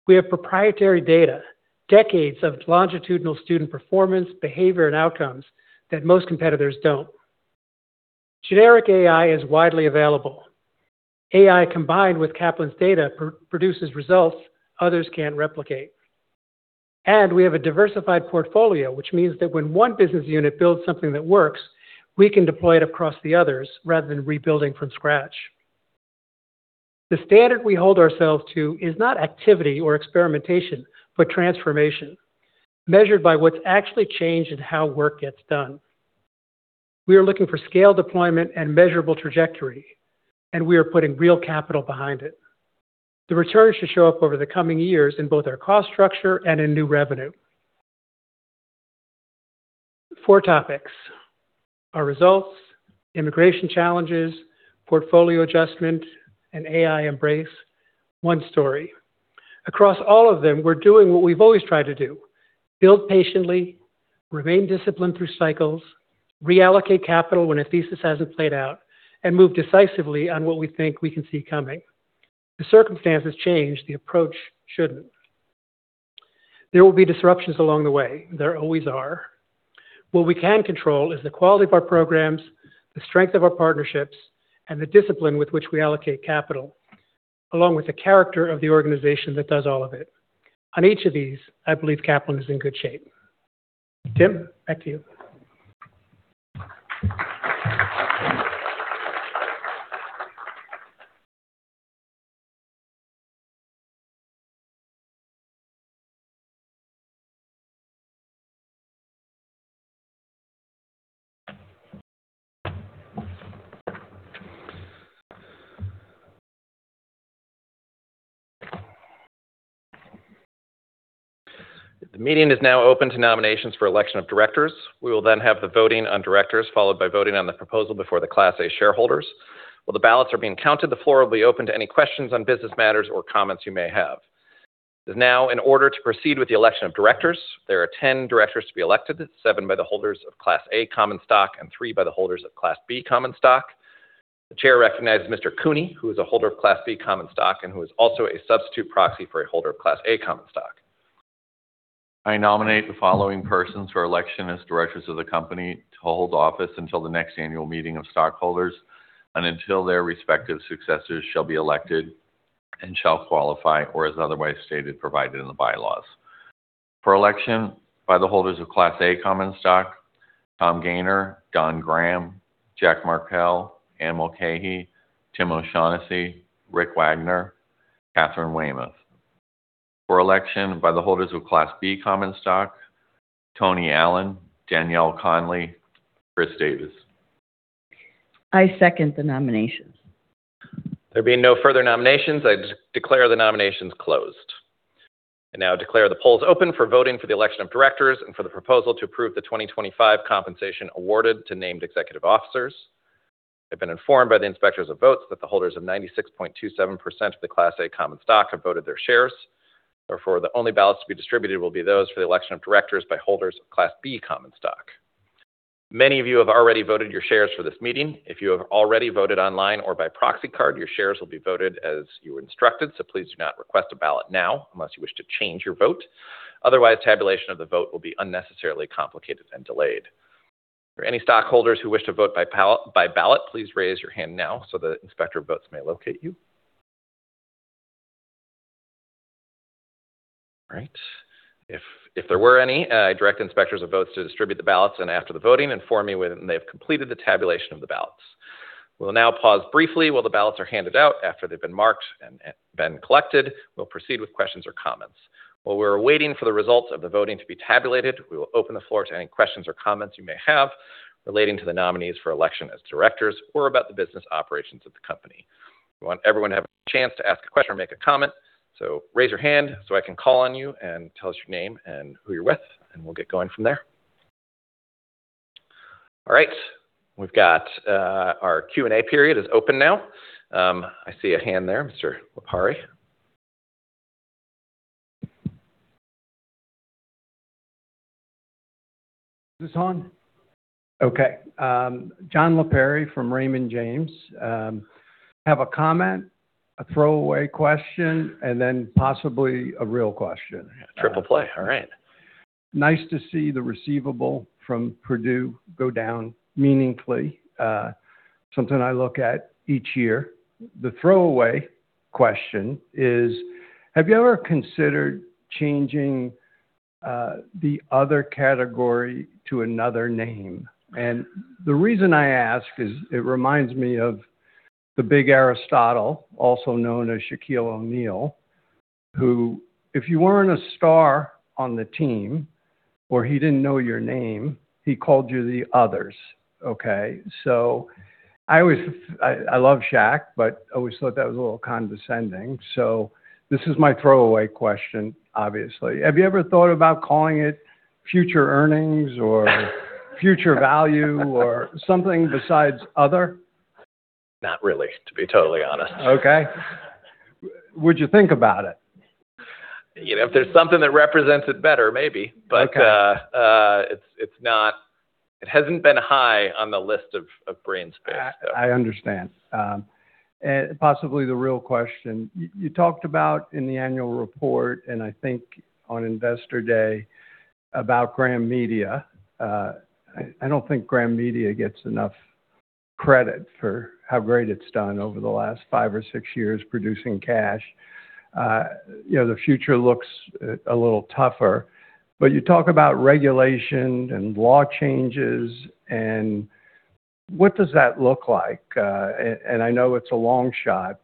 We have proprietary data, decades of longitudinal student performance, behavior, and outcomes that most competitors don't. Generic AI is widely available. AI combined with Kaplan's data produces results others can't replicate. We have a diversified portfolio, which means that when one business unit builds something that works, we can deploy it across the others rather than rebuilding from scratch. The standard we hold ourselves to is not activity or experimentation, but transformation, measured by what's actually changed and how work gets done. We are looking for scale deployment and measurable trajectory, and we are putting real capital behind it. The returns should show up over the coming years in both our cost structure and in new revenue. 4 topics: our results, immigration challenges, portfolio adjustment, and AI Embrace. 1 story. Across all of them, we're doing what we've always tried to do: build patiently, remain disciplined through cycles, reallocate capital when a thesis hasn't played out, and move decisively on what we think we can see coming. The circumstances change, the approach shouldn't. There will be disruptions along the way. There always are. What we can control is the quality of our programs, the strength of our partnerships, and the discipline with which we allocate capital, along with the character of the organization that does all of it. On each of these, I believe Kaplan is in good shape. Tim, back to you. The meeting is now open to nominations for election of directors. We will have the voting on directors, followed by voting on the proposal before the Class A shareholders. While the ballots are being counted, the floor will be open to any questions on business matters or comments you may have. In order to proceed with the election of directors, there are 10 directors to be elected, 7 by the holders of Class A common stock and 3 by the holders of Class B common stock. The chair recognizes Mr. Cooney, who is a holder of Class B common stock and who is also a substitute proxy for a holder of Class A common stock. I nominate the following persons for election as directors of the company to hold office until the next annual meeting of stockholders and until their respective successors shall be elected and shall qualify, or as otherwise stated provided in the bylaws. For election by the holders of Class A common stock, Tom Gayner, Don Graham, Jack Markell, Anne Mulcahy, Tim O'Shaughnessy, Rick Wagoner, Katharine Weymouth. For election by the holders of Class B common stock, Tony Allen, Danielle Conley, Chris Davis. I second the nominations. There being no further nominations, I declare the nominations closed. I now declare the polls open for voting for the election of directors and for the proposal to approve the 2025 compensation awarded to named executive officers. I've been informed by the inspectors of votes that the holders of 96.27% of the Class A common stock have voted their shares. The only ballots to be distributed will be those for the election of directors by holders of Class B common stock. Many of you have already voted your shares for this meeting. If you have already voted online or by proxy card, your shares will be voted as you instructed, so please do not request a ballot now unless you wish to change your vote. Otherwise, tabulation of the vote will be unnecessarily complicated and delayed. For any stockholders who wish to vote by ballot, please raise your hand now so the inspector of votes may locate you. All right. If there were any, I direct inspectors of votes to distribute the ballots and after the voting inform me when they've completed the tabulation of the ballots. We'll now pause briefly while the ballots are handed out. After they've been marked and been collected, we'll proceed with questions or comments. While we're waiting for the results of the voting to be tabulated, we will open the floor to any questions or comments you may have relating to the nominees for election as directors or about the business operations of the company. We want everyone to have a chance to ask a question or make a comment, so raise your hand so I can call on you and tell us your name and who you're with, and we'll get going from there. All right. We've got our Q&A period is open now. I see a hand there, Mr. Lipari. Is this on? Okay. John Lipari from Raymond James. I have a comment, a throwaway question, and then possibly a real question. Triple play. All right. Nice to see the receivable from Purdue go down meaningfully, something I look at each year. The throwaway question is, have you ever considered changing the other category to another name? The reason I ask is it reminds me of the big Aristotle, also known as Shaquille O'Neal, who, if you weren't a star on the team or he didn't know your name, he called you the others. Okay? I always love Shaq, but I always thought that was a little condescending. This is my throwaway question, obviously. Have you ever thought about calling it future earnings or future value or something besides other? Not really, to be totally honest. Okay. Would you think about it? You know, if there's something that represents it better, maybe. Okay. It hasn't been high on the list of brain space stuff. I understand. Possibly the real question. You talked about in the annual report, and I think on Investor Day about Graham Media. I don't think Graham Media gets enough credit for how great it's done over the last 5 or 6 years producing cash. You know, the future looks a little tougher. You talk about regulation and law changes, what does that look like? I know it's a long shot,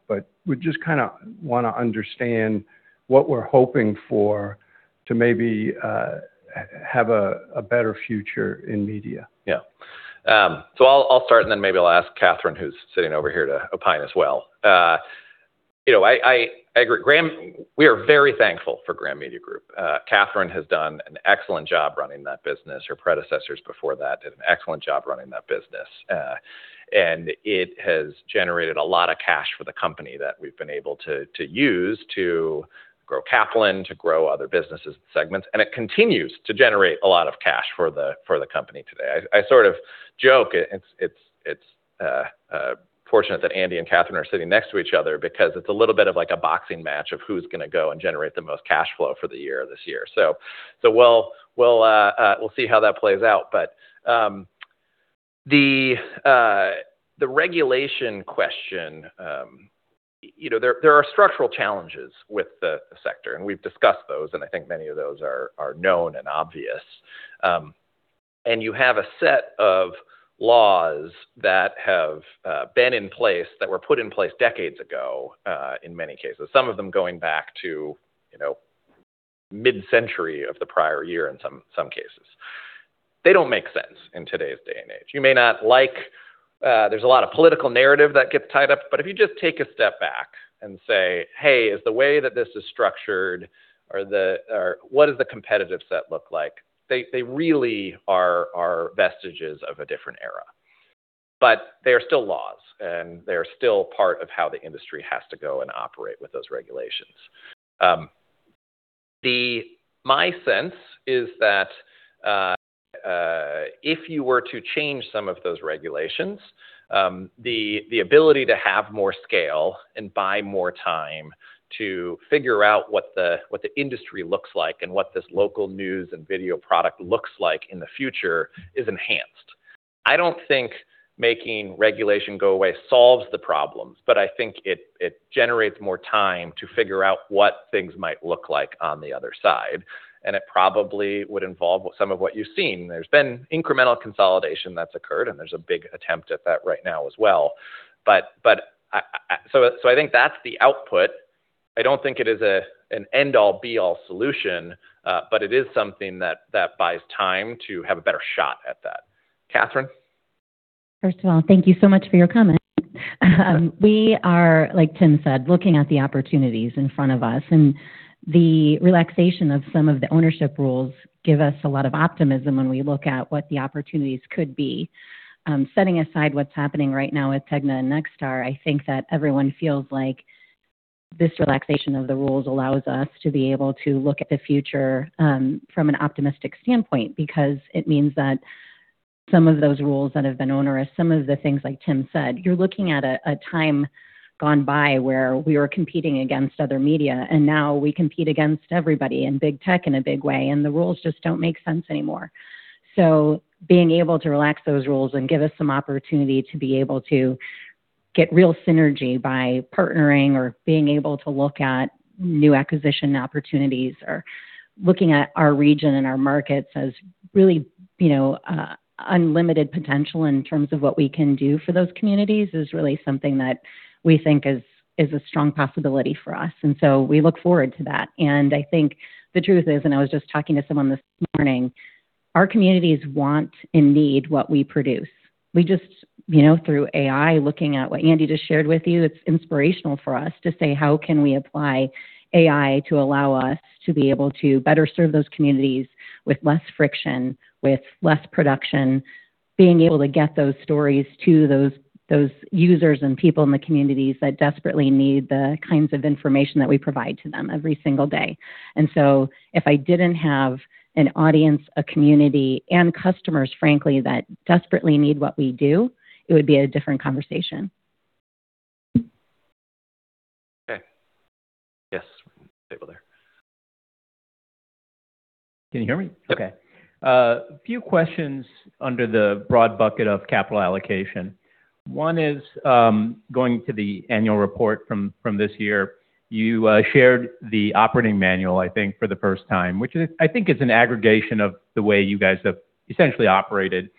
we just kinda wanna understand what we're hoping for to maybe have a better future in media. I'll start and then maybe I'll ask Catherine, who's sitting over here, to opine as well. You know, I agree. We are very thankful for Graham Media Group. Catherine has done an excellent job running that business. Her predecessors before that did an excellent job running that business. It has generated a lot of cash for the company that we've been able to use to grow Kaplan, to grow other businesses and segments, and it continues to generate a lot of cash for the company today. I sort of joke it's fortunate that Andy and Catherine are sitting next to each other because it's a little bit of like a boxing match of who's gonna go and generate the most cash flow for the year this year. We'll see how that plays out. The regulation question, you know, there are structural challenges with the sector, and we've discussed those, and I think many of those are known and obvious. You have a set of laws that have been in place, that were put in place decades ago, in many cases. Some of them going back to, you know, mid-century of the prior year in some cases. They don't make sense in today's day and age. You may not like. There's a lot of political narrative that gets tied up, if you just take a step back and say, "Hey, is the way that this is structured or what does the competitive set look like?" They really are vestiges of a different era. They are still laws, and they are still part of how the industry has to go and operate with those regulations. My sense is that if you were to change some of those regulations, the ability to have more scale and buy more time to figure out what the industry looks like and what this local news and video product looks like in the future is enhanced. I don't think making regulation go away solves the problems, but I think it generates more time to figure out what things might look like on the other side, and it probably would involve some of what you've seen. There's been incremental consolidation that's occurred, and there's a big attempt at that right now as well. I think that's the output. I don't think it is a, an end-all, be-all solution, but it is something that buys time to have a better shot at that. Catherine? First of all, thank you so much for your comment. We are, like Tim said, looking at the opportunities in front of us, and the relaxation of some of the ownership rules give us a lot of optimism when we look at what the opportunities could be. Setting aside what's happening right now with Tegna and Nexstar, I think that everyone feels like this relaxation of the rules allows us to be able to look at the future from an optimistic standpoint because it means that some of those rules that have been onerous, some of the things, like Tim said, you're looking at a time gone by where we were competing against other media, and now we compete against everybody in big tech in a big way, and the rules just don't make sense anymore. Being able to relax those rules and give us some opportunity to be able to get real synergy by partnering or being able to look at new acquisition opportunities or looking at our region and our markets as really, you know, unlimited potential in terms of what we can do for those communities is really something that we think is a strong possibility for us. We look forward to that. I think the truth is, and I was just talking to someone this morning, our communities want and need what we produce. We just, you know, through AI, looking at what Andy just shared with you, it's inspirational for us to say, "How can we apply AI to allow us to be able to better serve those communities with less friction, with less production." Being able to get those stories to those users and people in the communities that desperately need the kinds of information that we provide to them every single day. If I didn't have an audience, a community, and customers, frankly, that desperately need what we do, it would be a different conversation. Okay. Yes, that table there. Can you hear me? Yeah. A few questions under the broad bucket of capital allocation. One is going to the annual report from this year. You shared the operating manual, I think, for the first time, which is, I think, an aggregation of the way you guys have essentially operated.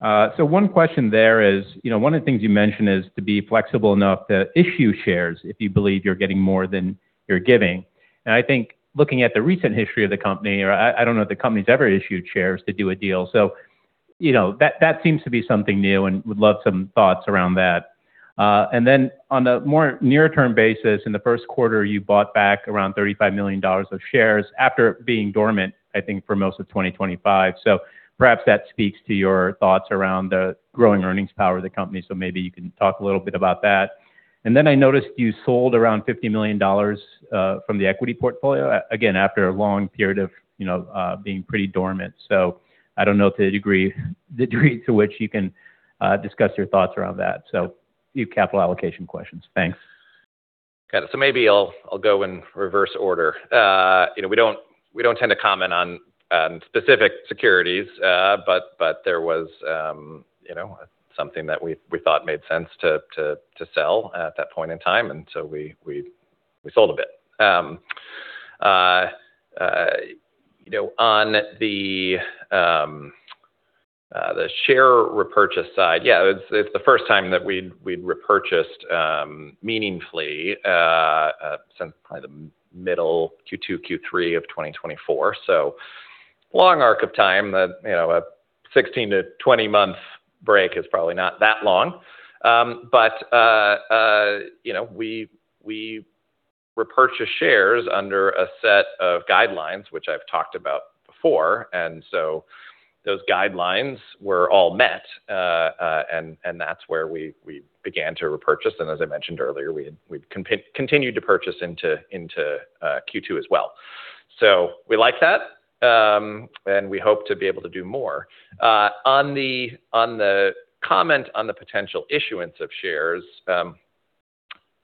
One question there is, you know, one of the things you mentioned is to be flexible enough to issue shares if you believe you're getting more than you're giving. I think looking at the recent history of the company, or I don't know if the company's ever issued shares to do a deal. You know, that seems to be something new, and would love some thoughts around that. Then on the more near-term basis, in the first quarter, you bought back around $35 million of shares after being dormant, I think, for most of 2025. Perhaps that speaks to your thoughts around the growing earnings power of the company, so maybe you can talk a little bit about that. Then I noticed you sold around $50 million from the equity portfolio, again, after a long period of, you know, being pretty dormant. I don't know to the degree to which you can discuss your thoughts around that. A few capital allocation questions. Thanks. Got it. Maybe I'll go in reverse order. You know, we don't tend to comment on specific securities. But there was, you know, something that we thought made sense to sell at that point in time, and we sold a bit. You know, on the share repurchase side, yeah, it's the first time that we'd repurchased meaningfully since probably the middle Q2, Q3 of 2024. Long arc of time that, you know, a 16-20 month break is probably not that long. But, you know, we repurchase shares under a set of guidelines, which I've talked about before. Those guidelines were all met. And that's where we began to repurchase. As I mentioned earlier, we continued to purchase into Q2 as well. We like that, and we hope to be able to do more. On the comment on the potential issuance of shares,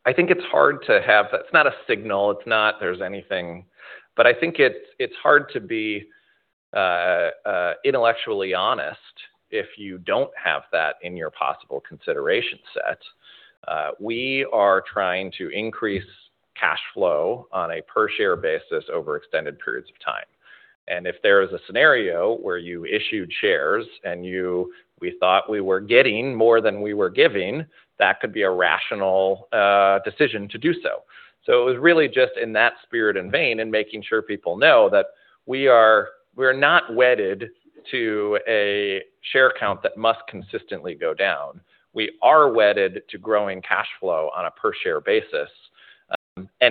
It's not a signal. It's not there's anything. I think it's hard to be intellectually honest if you don't have that in your possible consideration set. We are trying to increase cash flow on a per share basis over extended periods of time. If there is a scenario where you issued shares and we thought we were getting more than we were giving, that could be a rational decision to do so. It was really just in that spirit and vein and making sure people know that we're not wedded to a share count that must consistently go down. We are wedded to growing cash flow on a per share basis.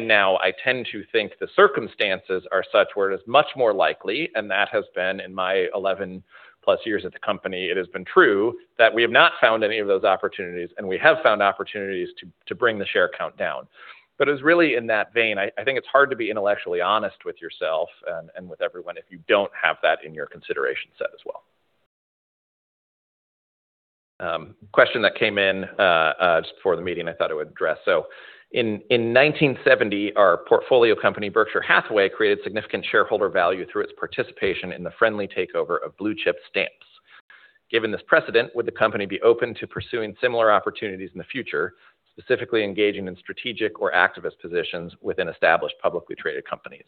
Now I tend to think the circumstances are such where it is much more likely, and that has been in my 11 plus years at the company, it has been true that we have not found any of those opportunities, and we have found opportunities to bring the share count down. It's really in that vein. I think it's hard to be intellectually honest with yourself and with everyone if you don't have that in your consideration set as well. Question that came in just before the meeting I thought I would address. In 1970, our portfolio company, Berkshire Hathaway, created significant shareholder value through its participation in the friendly takeover of Blue Chip Stamps. Given this precedent, would the company be open to pursuing similar opportunities in the future, specifically engaging in strategic or activist positions within established publicly traded companies?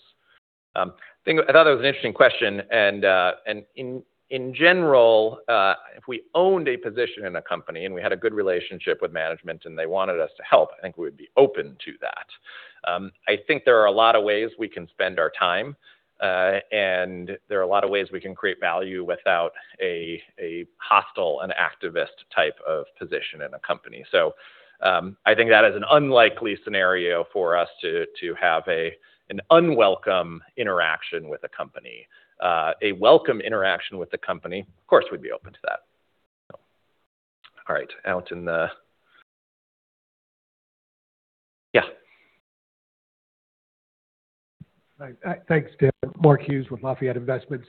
I thought that was an interesting question. In general, if we owned a position in a company and we had a good relationship with management and they wanted us to help, I think we would be open to that. I think there are a lot of ways we can spend our time, and there are a lot of ways we can create value without a hostile and activist type of position in a company. I think that is an unlikely scenario for us to have an unwelcome interaction with a company. A welcome interaction with the company, of course, we'd be open to that. All right. Hi. Thanks, Tim. Mark Hughes with Lafayette Investments.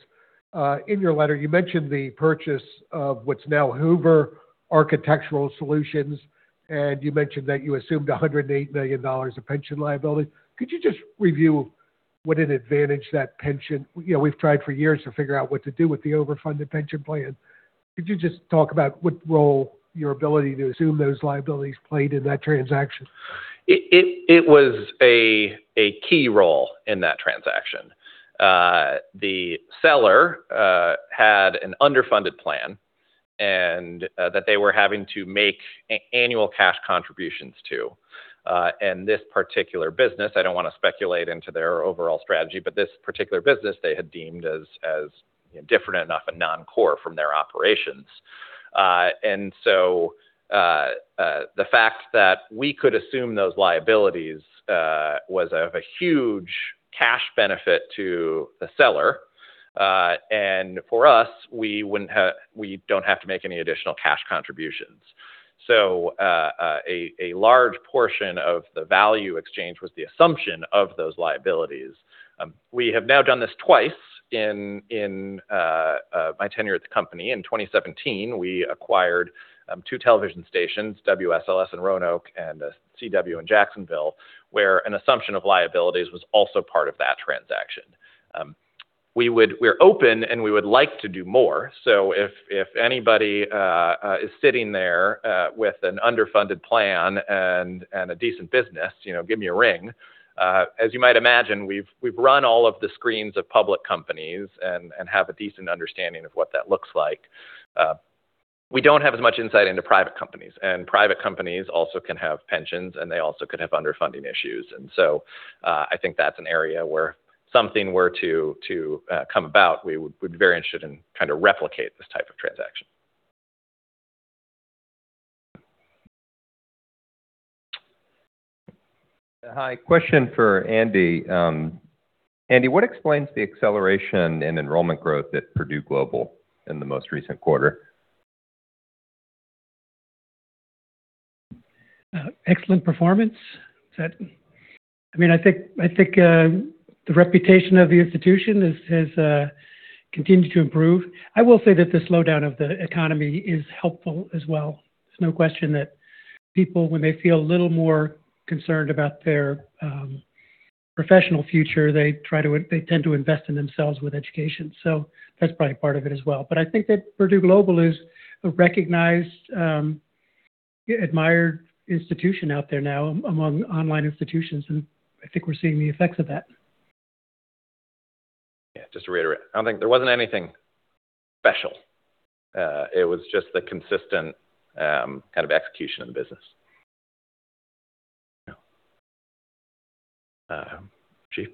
In your letter, you mentioned the purchase of what's now Hoover Architectural Solutions, and you mentioned that you assumed $108 million of pension liability. You know, we've tried for years to figure out what to do with the overfunded pension plan. Could you just talk about what role your ability to assume those liabilities played in that transaction? It was a key role in that transaction. The seller had an underfunded plan and that they were having to make annual cash contributions to. This particular business, I don't wanna speculate into their overall strategy, but this particular business they had deemed as different enough and non-core from their operations. The fact that we could assume those liabilities was of a huge cash benefit to the seller. For us, we don't have to make any additional cash contributions. A large portion of the value exchange was the assumption of those liabilities. We have now done this twice in my tenure at the company. In 2017, we acquired two television stations, WSLS in Roanoke and a CW in Jacksonville, where an assumption of liabilities was also part of that transaction. We're open, and we would like to do more. If anybody is sitting there with an underfunded plan and a decent business, you know, give me a ring. As you might imagine, we've run all of the screens of public companies and have a decent understanding of what that looks like. We don't have as much insight into private companies, and private companies also can have pensions, and they also could have underfunding issues. I think that's an area where something were to come about, we'd be very interested in kind of replicate this type of transaction. Hi. Question for Andy. Andy, what explains the acceleration in enrollment growth at Purdue Global in the most recent quarter? Excellent performance. I think the reputation of the institution has continued to improve. I will say that the slowdown of the economy is helpful as well. There's no question that people, when they feel a little more concerned about their professional future, they tend to invest in themselves with education. That's probably part of it as well. I think that Purdue Global is a recognized, admired institution out there now among online institutions, and I think we're seeing the effects of that. Yeah, just to reiterate, there wasn't anything special. It was just the consistent kind of execution of the business. Yeah. Chief.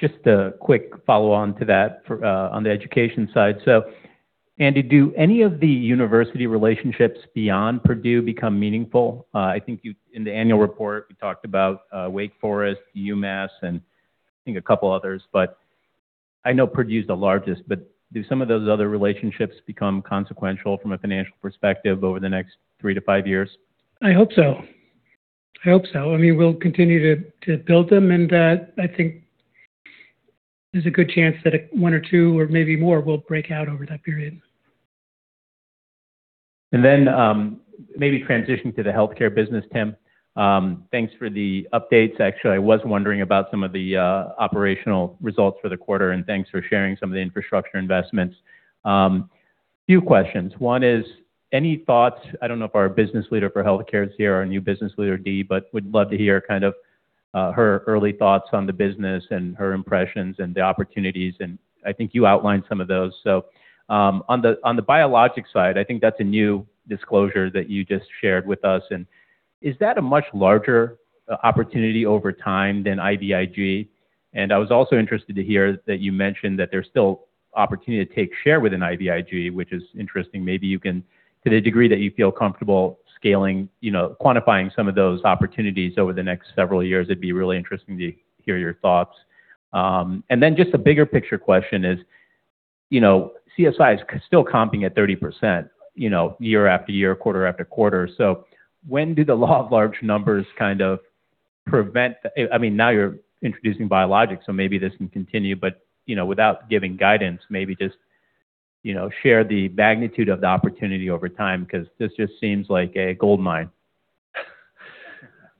Just a quick follow-on to that for, on the education side. Andy, do any of the university relationships beyond Purdue become meaningful? I think in the annual report, you talked about, Wake Forest, UMass, and I think a couple others, but I know Purdue is the largest, but do some of those other relationships become consequential from a financial perspective over the next three to five years? I hope so. I hope so. I mean, we'll continue to build them, and I think there's a good chance that one or two or maybe more will break out over that period. Maybe transition to the healthcare business, Tim. Thanks for the updates. Actually, I was wondering about some of the operational results for the quarter, and thanks for sharing some of the infrastructure investments. A few questions. One is, any thoughts, I don't know if our business leader for healthcare is here, our new business leader, Dee, but would love to hear kind of her early thoughts on the business and her impressions and the opportunities, and I think you outlined some of those. On the biologics side, I think that's a new disclosure that you just shared with us. Is that a much larger opportunity over time than IVIG? I was also interested to hear that you mentioned that there's still opportunity to take share within IVIG, which is interesting. Maybe you can, to the degree that you feel comfortable scaling, you know, quantifying some of those opportunities over the next several years, it'd be really interesting to hear your thoughts. Then just a bigger picture question is, you know, CSI is still comping at 30%, you know, year after year, quarter after quarter. When do the law of large numbers kind of I mean, now you're introducing biologics, so maybe this can continue. You know, without giving guidance, maybe just, you know, share the magnitude of the opportunity over time because this just seems like a goldmine.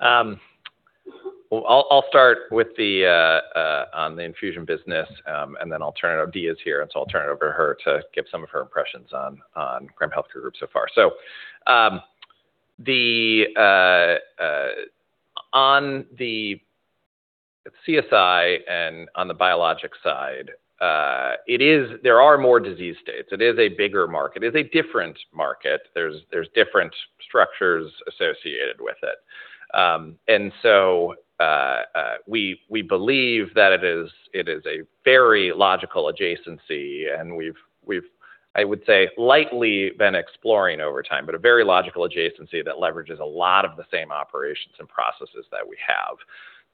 Well, I'll start on the infusion business, and then I'll turn it over. Dee is here, and so I'll turn it over to her to give some of her impressions on Graham Healthcare Group so far. On the CSI and on the biologics side, there are more disease states. It is a bigger market. It's a different market. There's different structures associated with it. We believe that it is a very logical adjacency, and we've, I would say, lightly been exploring over time, but a very logical adjacency that leverages a lot of the same operations and processes that we have.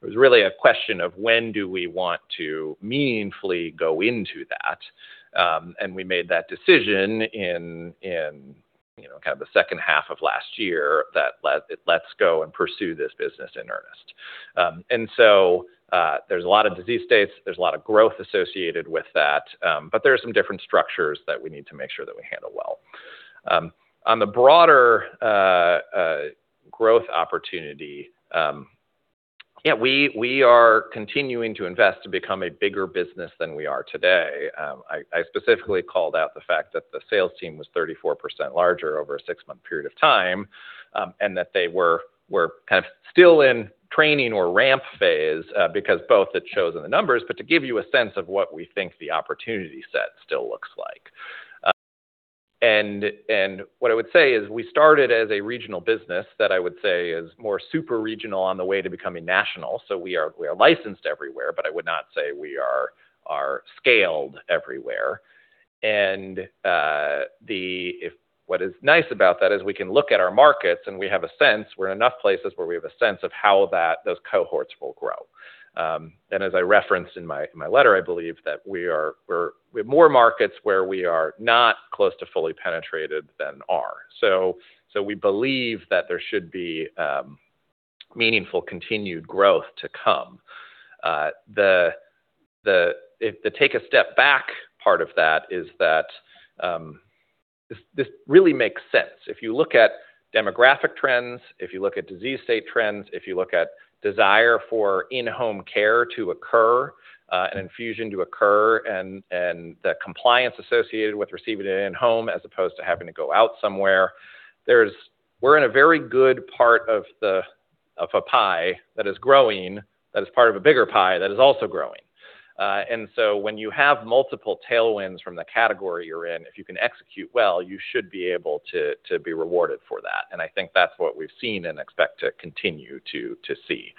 It was really a question of when do we want to meaningfully go into that. We made that decision in, you know, kind of the second half of last year that let's go and pursue this business in earnest. There's a lot of disease states, there's a lot of growth associated with that, but there are some different structures that we need to make sure that we handle well. On the broader growth opportunity, we are continuing to invest to become a bigger business than we are today. I specifically called out the fact that the sales team was 34 larger over a six-month period of time, and that they were kind of still in training or ramp phase, because both it shows in the numbers, but to give you a sense of what we think the opportunity set still looks like. What I would say is we started as a regional business that I would say is more super regional on the way to becoming national. We are, we are licensed everywhere, but I would not say we are scaled everywhere. What is nice about that is we can look at our markets, and we have a sense, we're in enough places where we have a sense of how that, those cohorts will grow. As I referenced in my, in my letter, I believe that we have more markets where we are not close to fully penetrated than are. We believe that there should be meaningful continued growth to come. The take a step back part of that is that this really makes sense. If you look at demographic trends, if you look at disease state trends, if you look at desire for in-home care to occur, and infusion to occur, and the compliance associated with receiving it in-home as opposed to having to go out somewhere, we're in a very good part of a pie that is growing, that is part of a bigger pie that is also growing. When you have multiple tailwinds from the category you're in, if you can execute well, you should be able to be rewarded for that. I think that's what we've seen and expect to continue to see.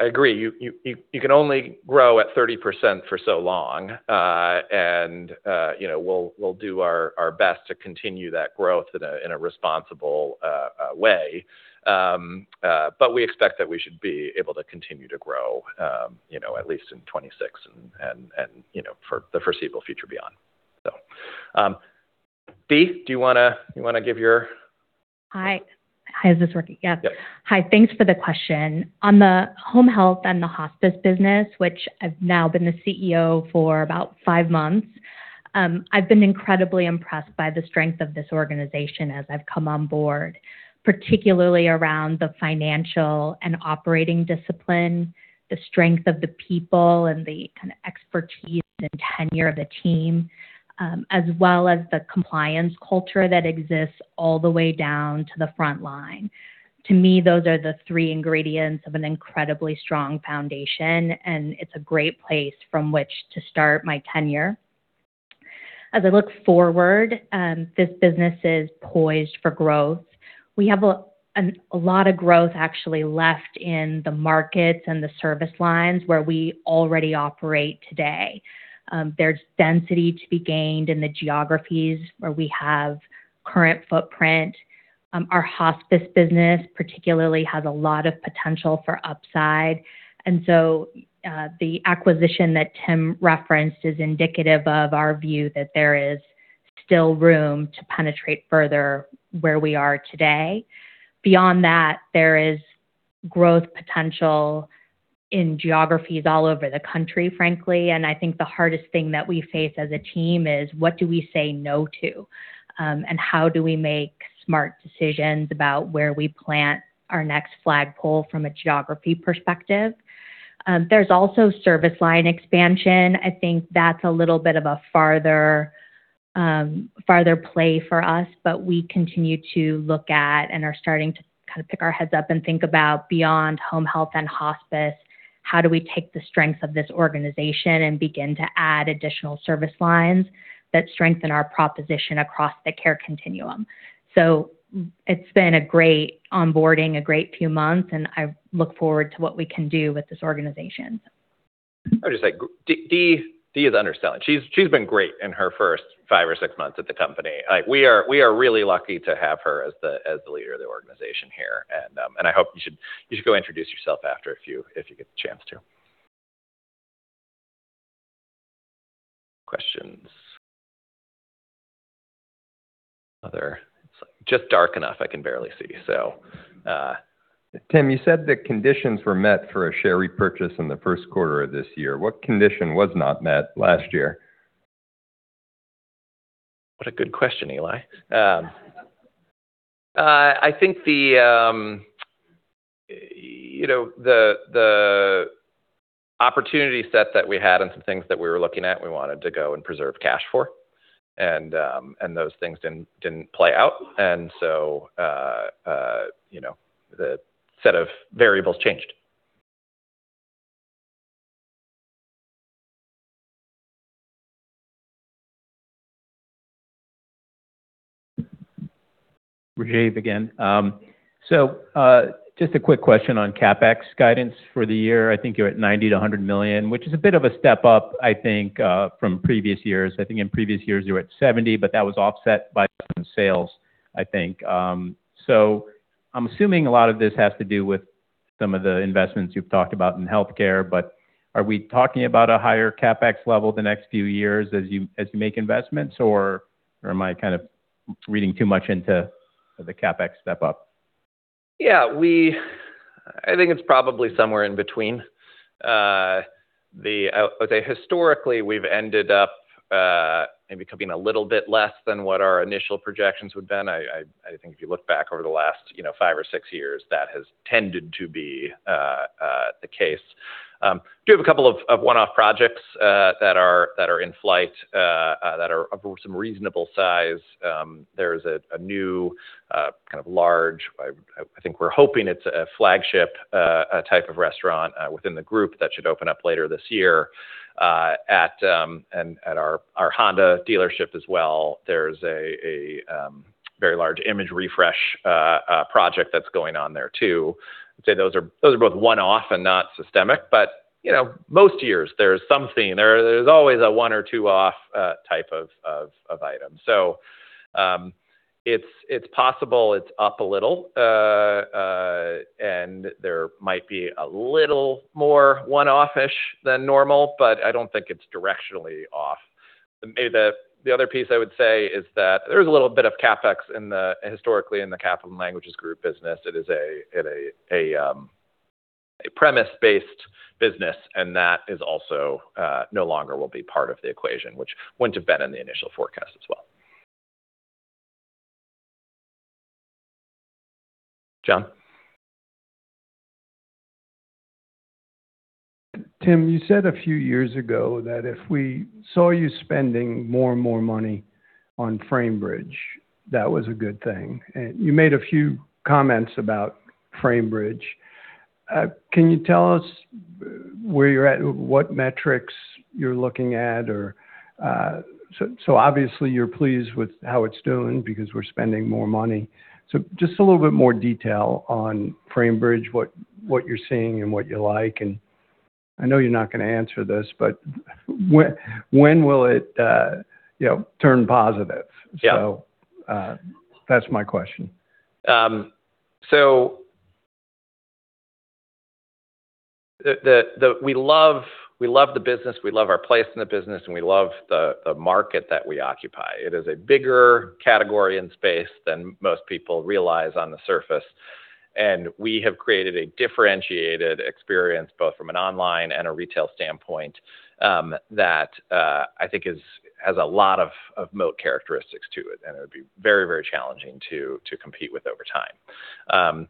I agree, you can only grow at 30% for so long. You know, we'll do our best to continue that growth in a responsible way. We expect that we should be able to continue to grow, you know, at least in 2026 and, you know, for the foreseeable future beyond. Dee, do you wanna give your- Hi. Hi, is this working? Yeah. Yeah. Hi, thanks for the question. On the home health and the hospice business, which I've now been the CEO for about five months, I've been incredibly impressed by the strength of this organization as I've come on board, particularly around the financial and operating discipline, the strength of the people, and the kind of expertise and tenure of the team, as well as the compliance culture that exists all the way down to the front line. To me, those are the three ingredients of an incredibly strong foundation, and it's a great place from which to start my tenure. As I look forward, this business is poised for growth. We have a lot of growth actually left in the markets and the service lines where we already operate today. There's density to be gained in the geographies where we have current footprint. Our hospice business particularly has a lot of potential for upside. The acquisition that Tim referenced is indicative of our view that there is still room to penetrate further where we are today. Beyond that, there is growth potential in geographies all over the country, frankly, and I think the hardest thing that we face as a team is what do we say no to, and how do we make smart decisions about where we plant our next flagpole from a geography perspective? There's also service line expansion. I think that's a little bit of a farther play for us, but we continue to look at and are starting to kinda pick our heads up and think about beyond home health and hospice, how do we take the strengths of this organization and begin to add additional service lines that strengthen our proposition across the care continuum? It's been a great onboarding, a great few months, and I look forward to what we can do with this organization. I would just say, Dee is understating. She's been great in her first 5 or 6 months at the company. Like, we are really lucky to have her as the leader of the organization here. I hope you should go introduce yourself after if you get the chance to. Questions. Other It's, like, just dark enough I can barely see. Tim, you said the conditions were met for a share repurchase in the first quarter of this year. What condition was not met last year? What a good question, Eli. I think the, you know, the opportunity set that we had and some things that we were looking at, we wanted to go and preserve cash for, and those things didn't play out. You know, the set of variables changed. Rajiv again. Just a quick question on CapEx guidance for the year. I think you're at $90 million-$100 million, which is a bit of a step up, I think, from previous years. I think in previous years you were at 70, but that was offset by some sales, I think. I'm assuming a lot of this has to do with some of the investments you've talked about in healthcare, but are we talking about a higher CapEx level the next few years as you make investments or am I kind of reading too much into the CapEx step up? Yeah. I think it's probably somewhere in between. I would say historically, we've ended up maybe coming a little bit less than what our initial projections would've been. I think if you look back over the last, you know, five or six years, that has tended to be the case. Do have a couple of one-off projects that are in flight that are of some reasonable size. There's a new kind of large, I think we're hoping it's a flagship type of restaurant within the group that should open up later this year. At and at our Honda dealership as well, there's a very large image refresh project that's going on there too. I'd say those are both one-off and not systemic, but, you know, most years there's something. There's always a one or two off type of item. It's possible it's up a little. There might be a little more one-off-ish than normal, but I don't think it's directionally off. Maybe the other piece I would say is that there is a little bit of CapEx historically in the Kaplan Languages Group business. It is a premise-based business that is also no longer will be part of the equation, which went to bed in the initial forecast as well. John. Tim, you said a few years ago that if we saw you spending more and more money on Framebridge, that was a good thing. You made a few comments about Framebridge. Can you tell us where you're at, what metrics you're looking at or? Obviously you're pleased with how it's doing because we're spending more money. Just a little bit more detail on Framebridge, what you're seeing and what you like, and I know you're not gonna answer this, but when will it, you know, turn positive? Yeah. That's my question. We love the business, we love our place in the business, and we love the market that we occupy. It is a bigger category and space than most people realize on the surface. We have created a differentiated experience, both from an online and a retail standpoint, that, I think has a lot of moat characteristics to it, and it would be very challenging to compete with over time.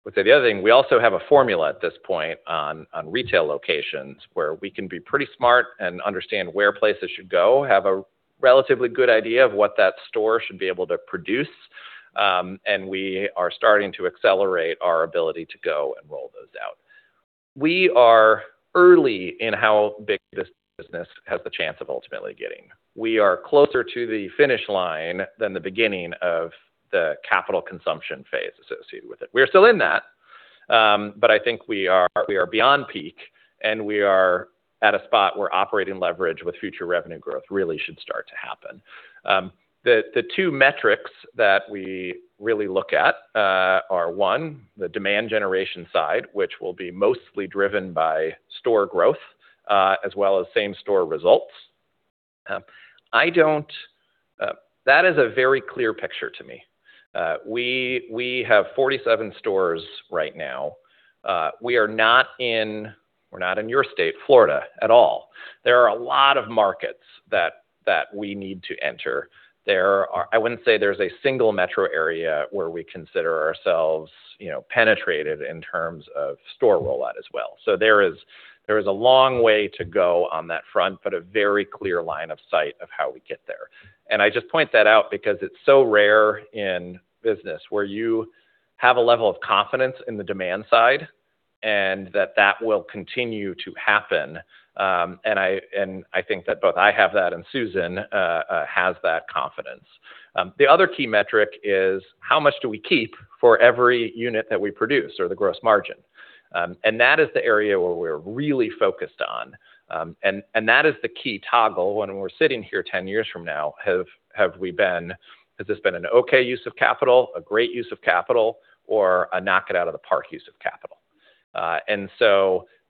I would say the other thing, we also have a formula at this point on retail locations where we can be pretty smart and understand where places should go, have a relatively good idea of what that store should be able to produce, and we are starting to accelerate our ability to go and roll those out. We are early in how big this business has the chance of ultimately getting. We are closer to the finish line than the beginning of the capital consumption phase associated with it. We are still in that, but I think we are beyond peak, and we are at a spot where operating leverage with future revenue growth really should start to happen. The two metrics that we really look at are 1, the demand generation side, which will be mostly driven by store growth, as well as same store results. That is a very clear picture to me. We have 47 stores right now. We're not in your state, Florida, at all. There are a lot of markets that we need to enter. I wouldn't say there's a single metro area where we consider ourselves, you know, penetrated in terms of store rollout as well. There is a long way to go on that front, but a very clear line of sight of how we get there. I just point that out because it's so rare in business where you have a level of confidence in the demand side and that that will continue to happen, and I think that both I have that and Susan has that confidence. The other key metric is how much do we keep for every unit that we produce or the gross margin? And that is the key toggle when we're sitting here 10 years from now. Have we been? Has this been an okay use of capital, a great use of capital, or a knock-it-out-of-the-park use of capital?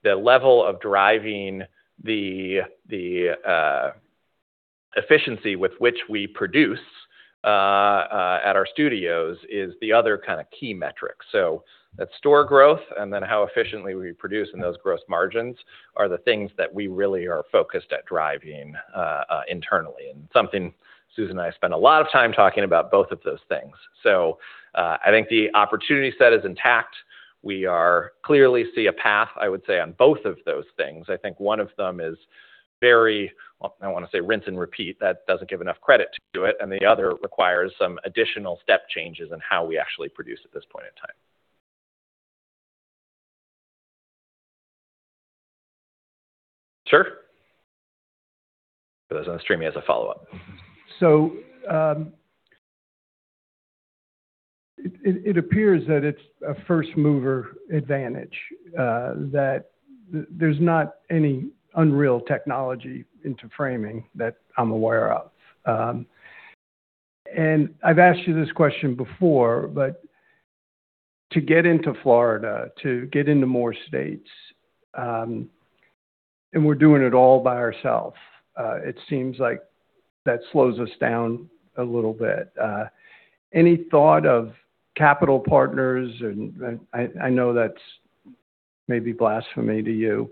The level of driving the efficiency with which we produce at our studios is the other kinda key metric. That's store growth and then how efficiently we produce in those gross margins are the things that we really are focused at driving internally. Something Susan and I spend a lot of time talking about both of those things. I think the opportunity set is intact. We clearly see a path, I would say, on both of those things. I think one of them is very, well, I don't wanna say rinse and repeat. That doesn't give enough credit to it. The other requires some additional step changes in how we actually produce at this point in time. Sure. For those on the stream, he has a follow-up. It appears that it's a first-mover advantage, that there's not any unreal technology into framing that I'm aware of. I've asked you this question before, to get into Florida, to get into more states, we're doing it all by ourself, it seems like that slows us down a little bit. Any thought of capital partners? I know that's maybe blasphemy to you.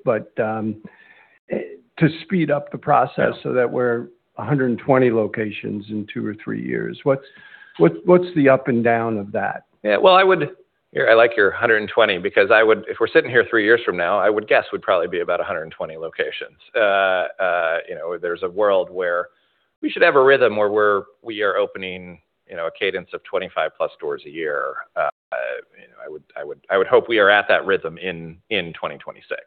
To speed up the process so that we're 120 locations in 2 or 3 years, what's the up and down of that? Yeah. Well, I like your 120 because I would if we're sitting here 3 years from now, I would guess we'd probably be about 120 locations. You know, there's a world where we should have a rhythm where we are opening, you know, a cadence of 25+ stores a year. You know, I would hope we are at that rhythm in 2026.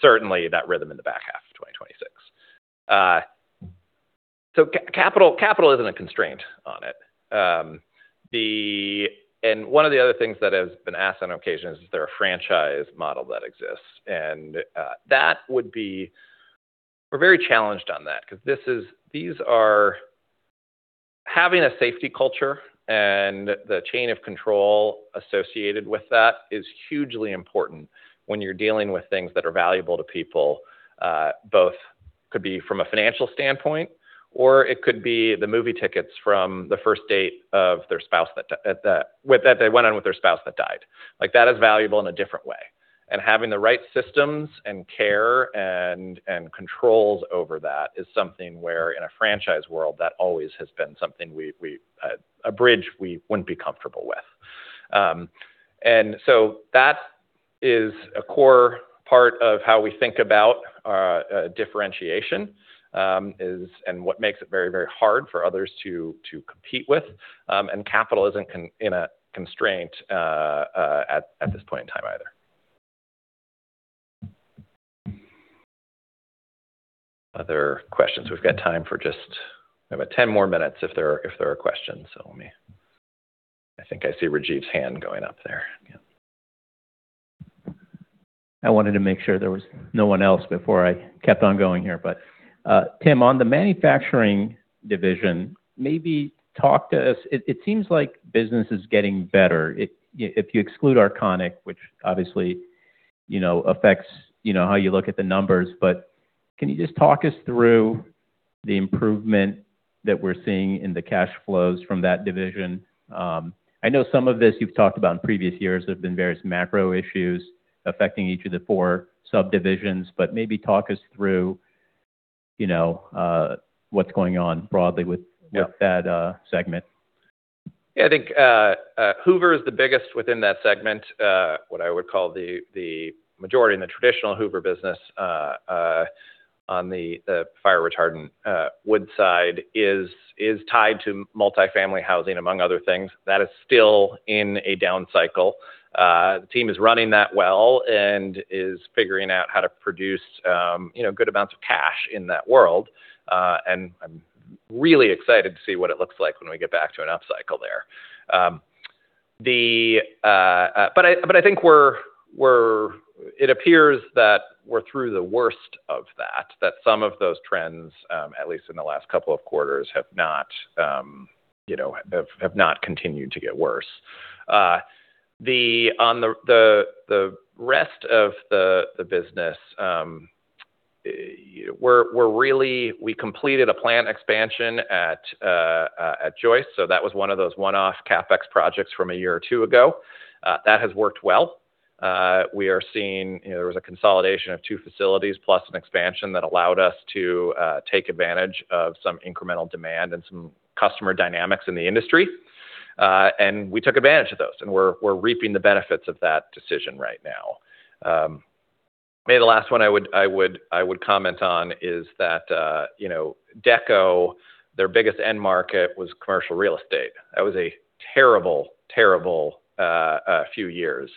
Certainly that rhythm in the back half of 2026. Capital isn't a constraint on it. One of the other things that has been asked on occasion is there a franchise model that exists? That would be We're very challenged on that 'cause Having a safety culture and the chain of control associated with that is hugely important when you're dealing with things that are valuable to people, both could be from a financial standpoint, or it could be the movie tickets from the first date of their spouse that they went on with their spouse that died. Like, that is valuable in a different way. Having the right systems and care and controls over that is something where, in a franchise world, that always has been something we a bridge we wouldn't be comfortable with. That is a core part of how we think about differentiation, and what makes it very, very hard for others to compete with. Capital isn't a constraint at this point in time either. Other questions? We have about 10 more minutes if there are questions. I think I see Rajiv's hand going up there again. I wanted to make sure there was no one else before I kept on going here. Tim, on the manufacturing division, maybe talk to us. It seems like business is getting better. If you exclude Arconic, which obviously, you know, affects, you know, how you look at the numbers. Can you just talk us through the improvement that we're seeing in the cash flows from that division? I know some of this you've talked about in previous years. There have been various macro issues affecting each of the four subdivisions, but maybe talk us through, you know, what's going on broadly with- Yeah With that, segment. I think Hoover is the biggest within that segment, what I would call the majority in the traditional Hoover business, on the fire retardant wood side is tied to multi-family housing, among other things. That is still in a down cycle. The team is running that well and is figuring out how to produce, you know, good amounts of cash in that world. And I'm really excited to see what it looks like when we get back to an upcycle there. I think it appears that we're through the worst of that some of those trends, at least in the last couple of quarters, have not, you know, continued to get worse. On the rest of the business, we completed a plant expansion at Joyce, so that was 1 of those 1-off CapEx projects from a year or 2 ago. That has worked well. We are seeing, you know, there was a consolidation of 2 facilities plus an expansion that allowed us to take advantage of some incremental demand and some customer dynamics in the industry. We took advantage of those, and we're reaping the benefits of that decision right now. Maybe the last 1 I would comment on is that, you know, Dekko, their biggest end market was commercial real estate. That was a terrible few years.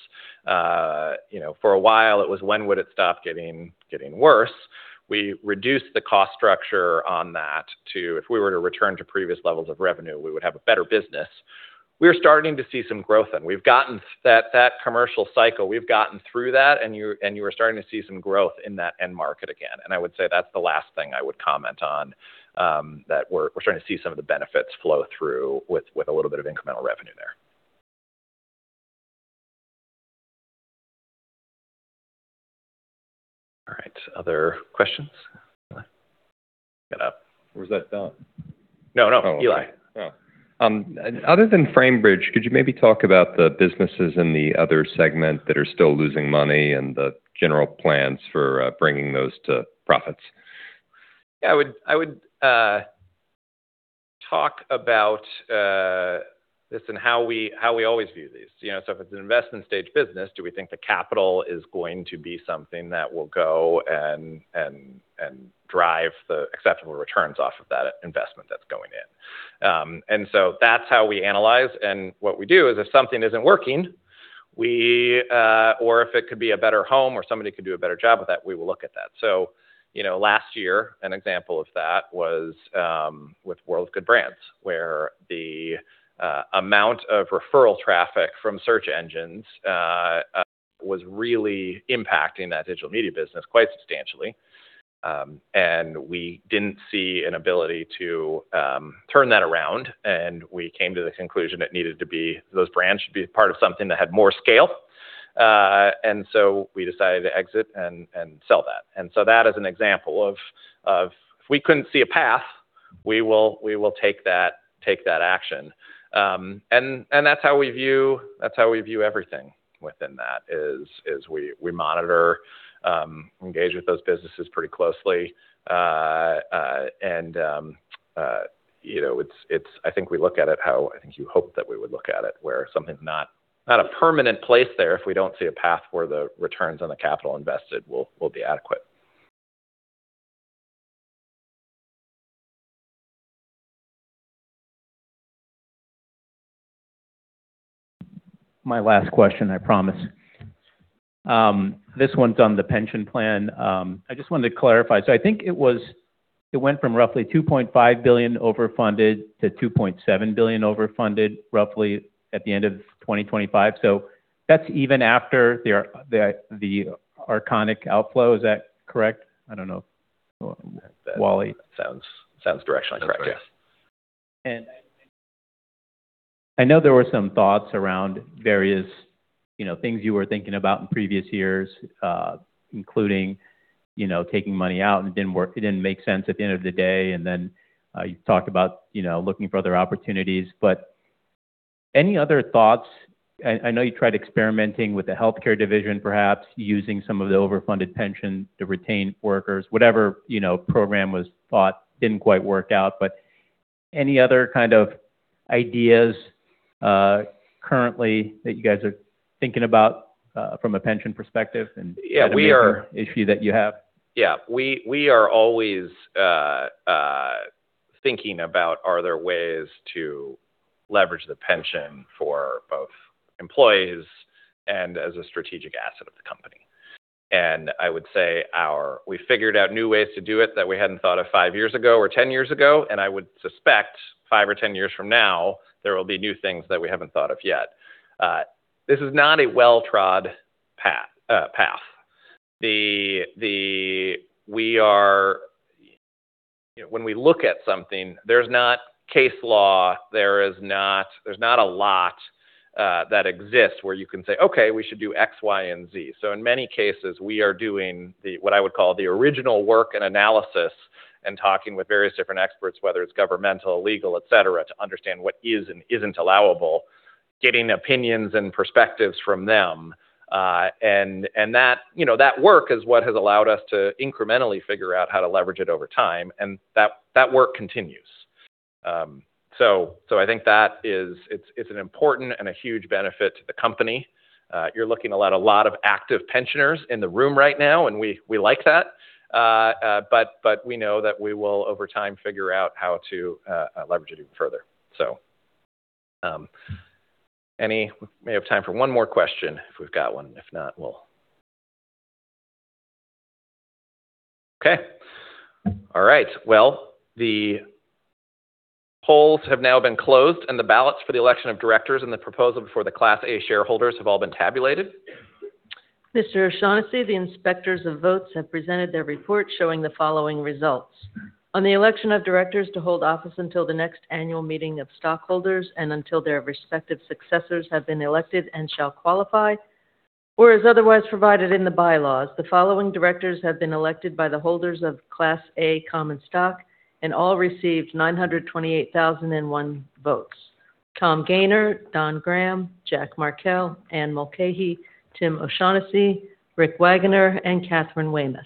You know, for a while it was when would it stop getting worse. We reduced the cost structure on that to if we were to return to previous levels of revenue, we would have a better business. We are starting to see some growth, we've gotten that commercial cycle, we've gotten through that, and you are starting to see some growth in that end market again. I would say that's the last thing I would comment on, that we're starting to see some of the benefits flow through with a little bit of incremental revenue there. All right, other questions? Eli. Get up. Was that Don? No, no. Eli. Other than Framebridge, could you maybe talk about the businesses in the other segment that are still losing money and the general plans for bringing those to profits? Yeah, I would talk about this and how we always view these. You know, if it's an investment stage business, do we think the capital is going to be something that will go and drive the acceptable returns off of that investment that's going in? That's how we analyze. What we do is if something isn't working, we Or if it could be a better home or somebody could do a better job with that, we will look at that. You know, last year, an example of that was with World of Good Brands, where the amount of referral traffic from search engines was really impacting that digital media business quite substantially. We didn't see an ability to turn that around, and we came to the conclusion Those brands should be part of something that had more scale. We decided to exit and sell that. That is an example of if we couldn't see a path, we will take that action. That's how we view, that's how we view everything within that, is we monitor, engage with those businesses pretty closely. You know, I think we look at it how I think you hope that we would look at it, where something's not a permanent place there if we don't see a path where the returns on the capital invested will be adequate. My last question, I promise. This one's on the pension plan. I just wanted to clarify. I think it went from roughly $2.5 billion overfunded to $2.7 billion overfunded roughly at the end of 2025. That's even after the Arconic outflow. Is that correct? I don't know. Wally? That sounds directionally correct. Yeah. I know there were some thoughts around various, you know, things you were thinking about in previous years, including, you know, taking money out, and it didn't work. It didn't make sense at the end of the day. Then, you talked about, you know, looking for other opportunities. Any other thoughts? I know you tried experimenting with the healthcare division, perhaps using some of the overfunded pension to retain workers. Whatever, you know, program was thought didn't quite work out. Any other kind of ideas currently that you guys are thinking about from a pension perspective. Issue that you have? Yeah. We are always thinking about are there ways to leverage the pension for both employees and as a strategic asset of the company. We figured out new ways to do it that we hadn't thought of 5 years ago or 10 years ago, and I would suspect 5 or 10 years from now, there will be new things that we haven't thought of yet. This is not a well-trod path. When we look at something, there's not case law, there's not a lot that exists where you can say, "Okay, we should do X, Y, and Z." In many cases, we are doing the, what I would call the original work and analysis, and talking with various different experts, whether it's governmental, legal, et cetera, to understand what is and isn't allowable, getting opinions and perspectives from them. And that, you know, that work is what has allowed us to incrementally figure out how to leverage it over time, and that work continues. I think that it's an important and a huge benefit to the company. You're looking at a lot of active pensioners in the room right now, and we like that. but we know that we will over time figure out how to leverage it even further. We may have time for one more question, if we've got one. If not, we'll Okay. All right. Well, the polls have now been closed, and the ballots for the election of directors and the proposal for the Class A shareholders have all been tabulated. Mr. O'Shaughnessy, the inspectors of votes have presented their report showing the following results. On the election of directors to hold office until the next annual meeting of stockholders and until their respective successors have been elected and shall qualify, or as otherwise provided in the bylaws, the following directors have been elected by the holders of Class A common stock and all received 928,001 votes. Tom Gayner, Don Graham, Jack Markell, Anne Mulcahy, Tim O'Shaughnessy, Rick Wagoner, and Katharine Weymouth.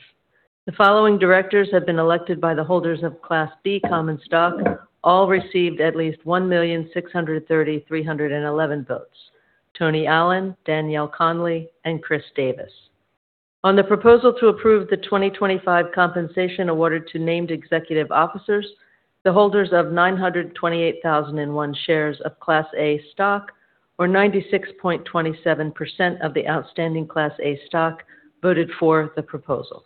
The following directors have been elected by the holders of Class B common stock, all received at least 1,633,111 votes. Tony Allen, Danielle Conley, and Chris Davis. On the proposal to approve the 2025 compensation awarded to named executive officers, the holders of 928,001 shares of Class A stock, or 96.27% of the outstanding Class A stock, voted for the proposal.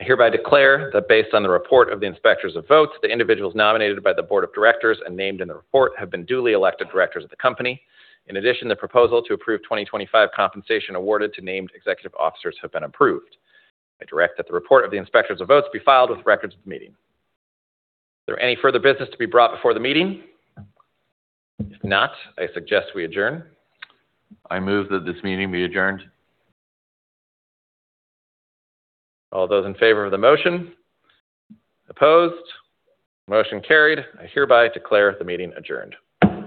I hereby declare that based on the report of the inspectors of votes, the individuals nominated by the board of directors and named in the report have been duly elected directors of the company. In addition, the proposal to approve 2025 compensation awarded to named executive officers have been approved. I direct that the report of the inspectors of votes be filed with the records of the meeting. Is there any further business to be brought before the meeting? If not, I suggest we adjourn. I move that this meeting be adjourned. All those in favor of the motion? Opposed? Motion carried. I hereby declare the meeting adjourned.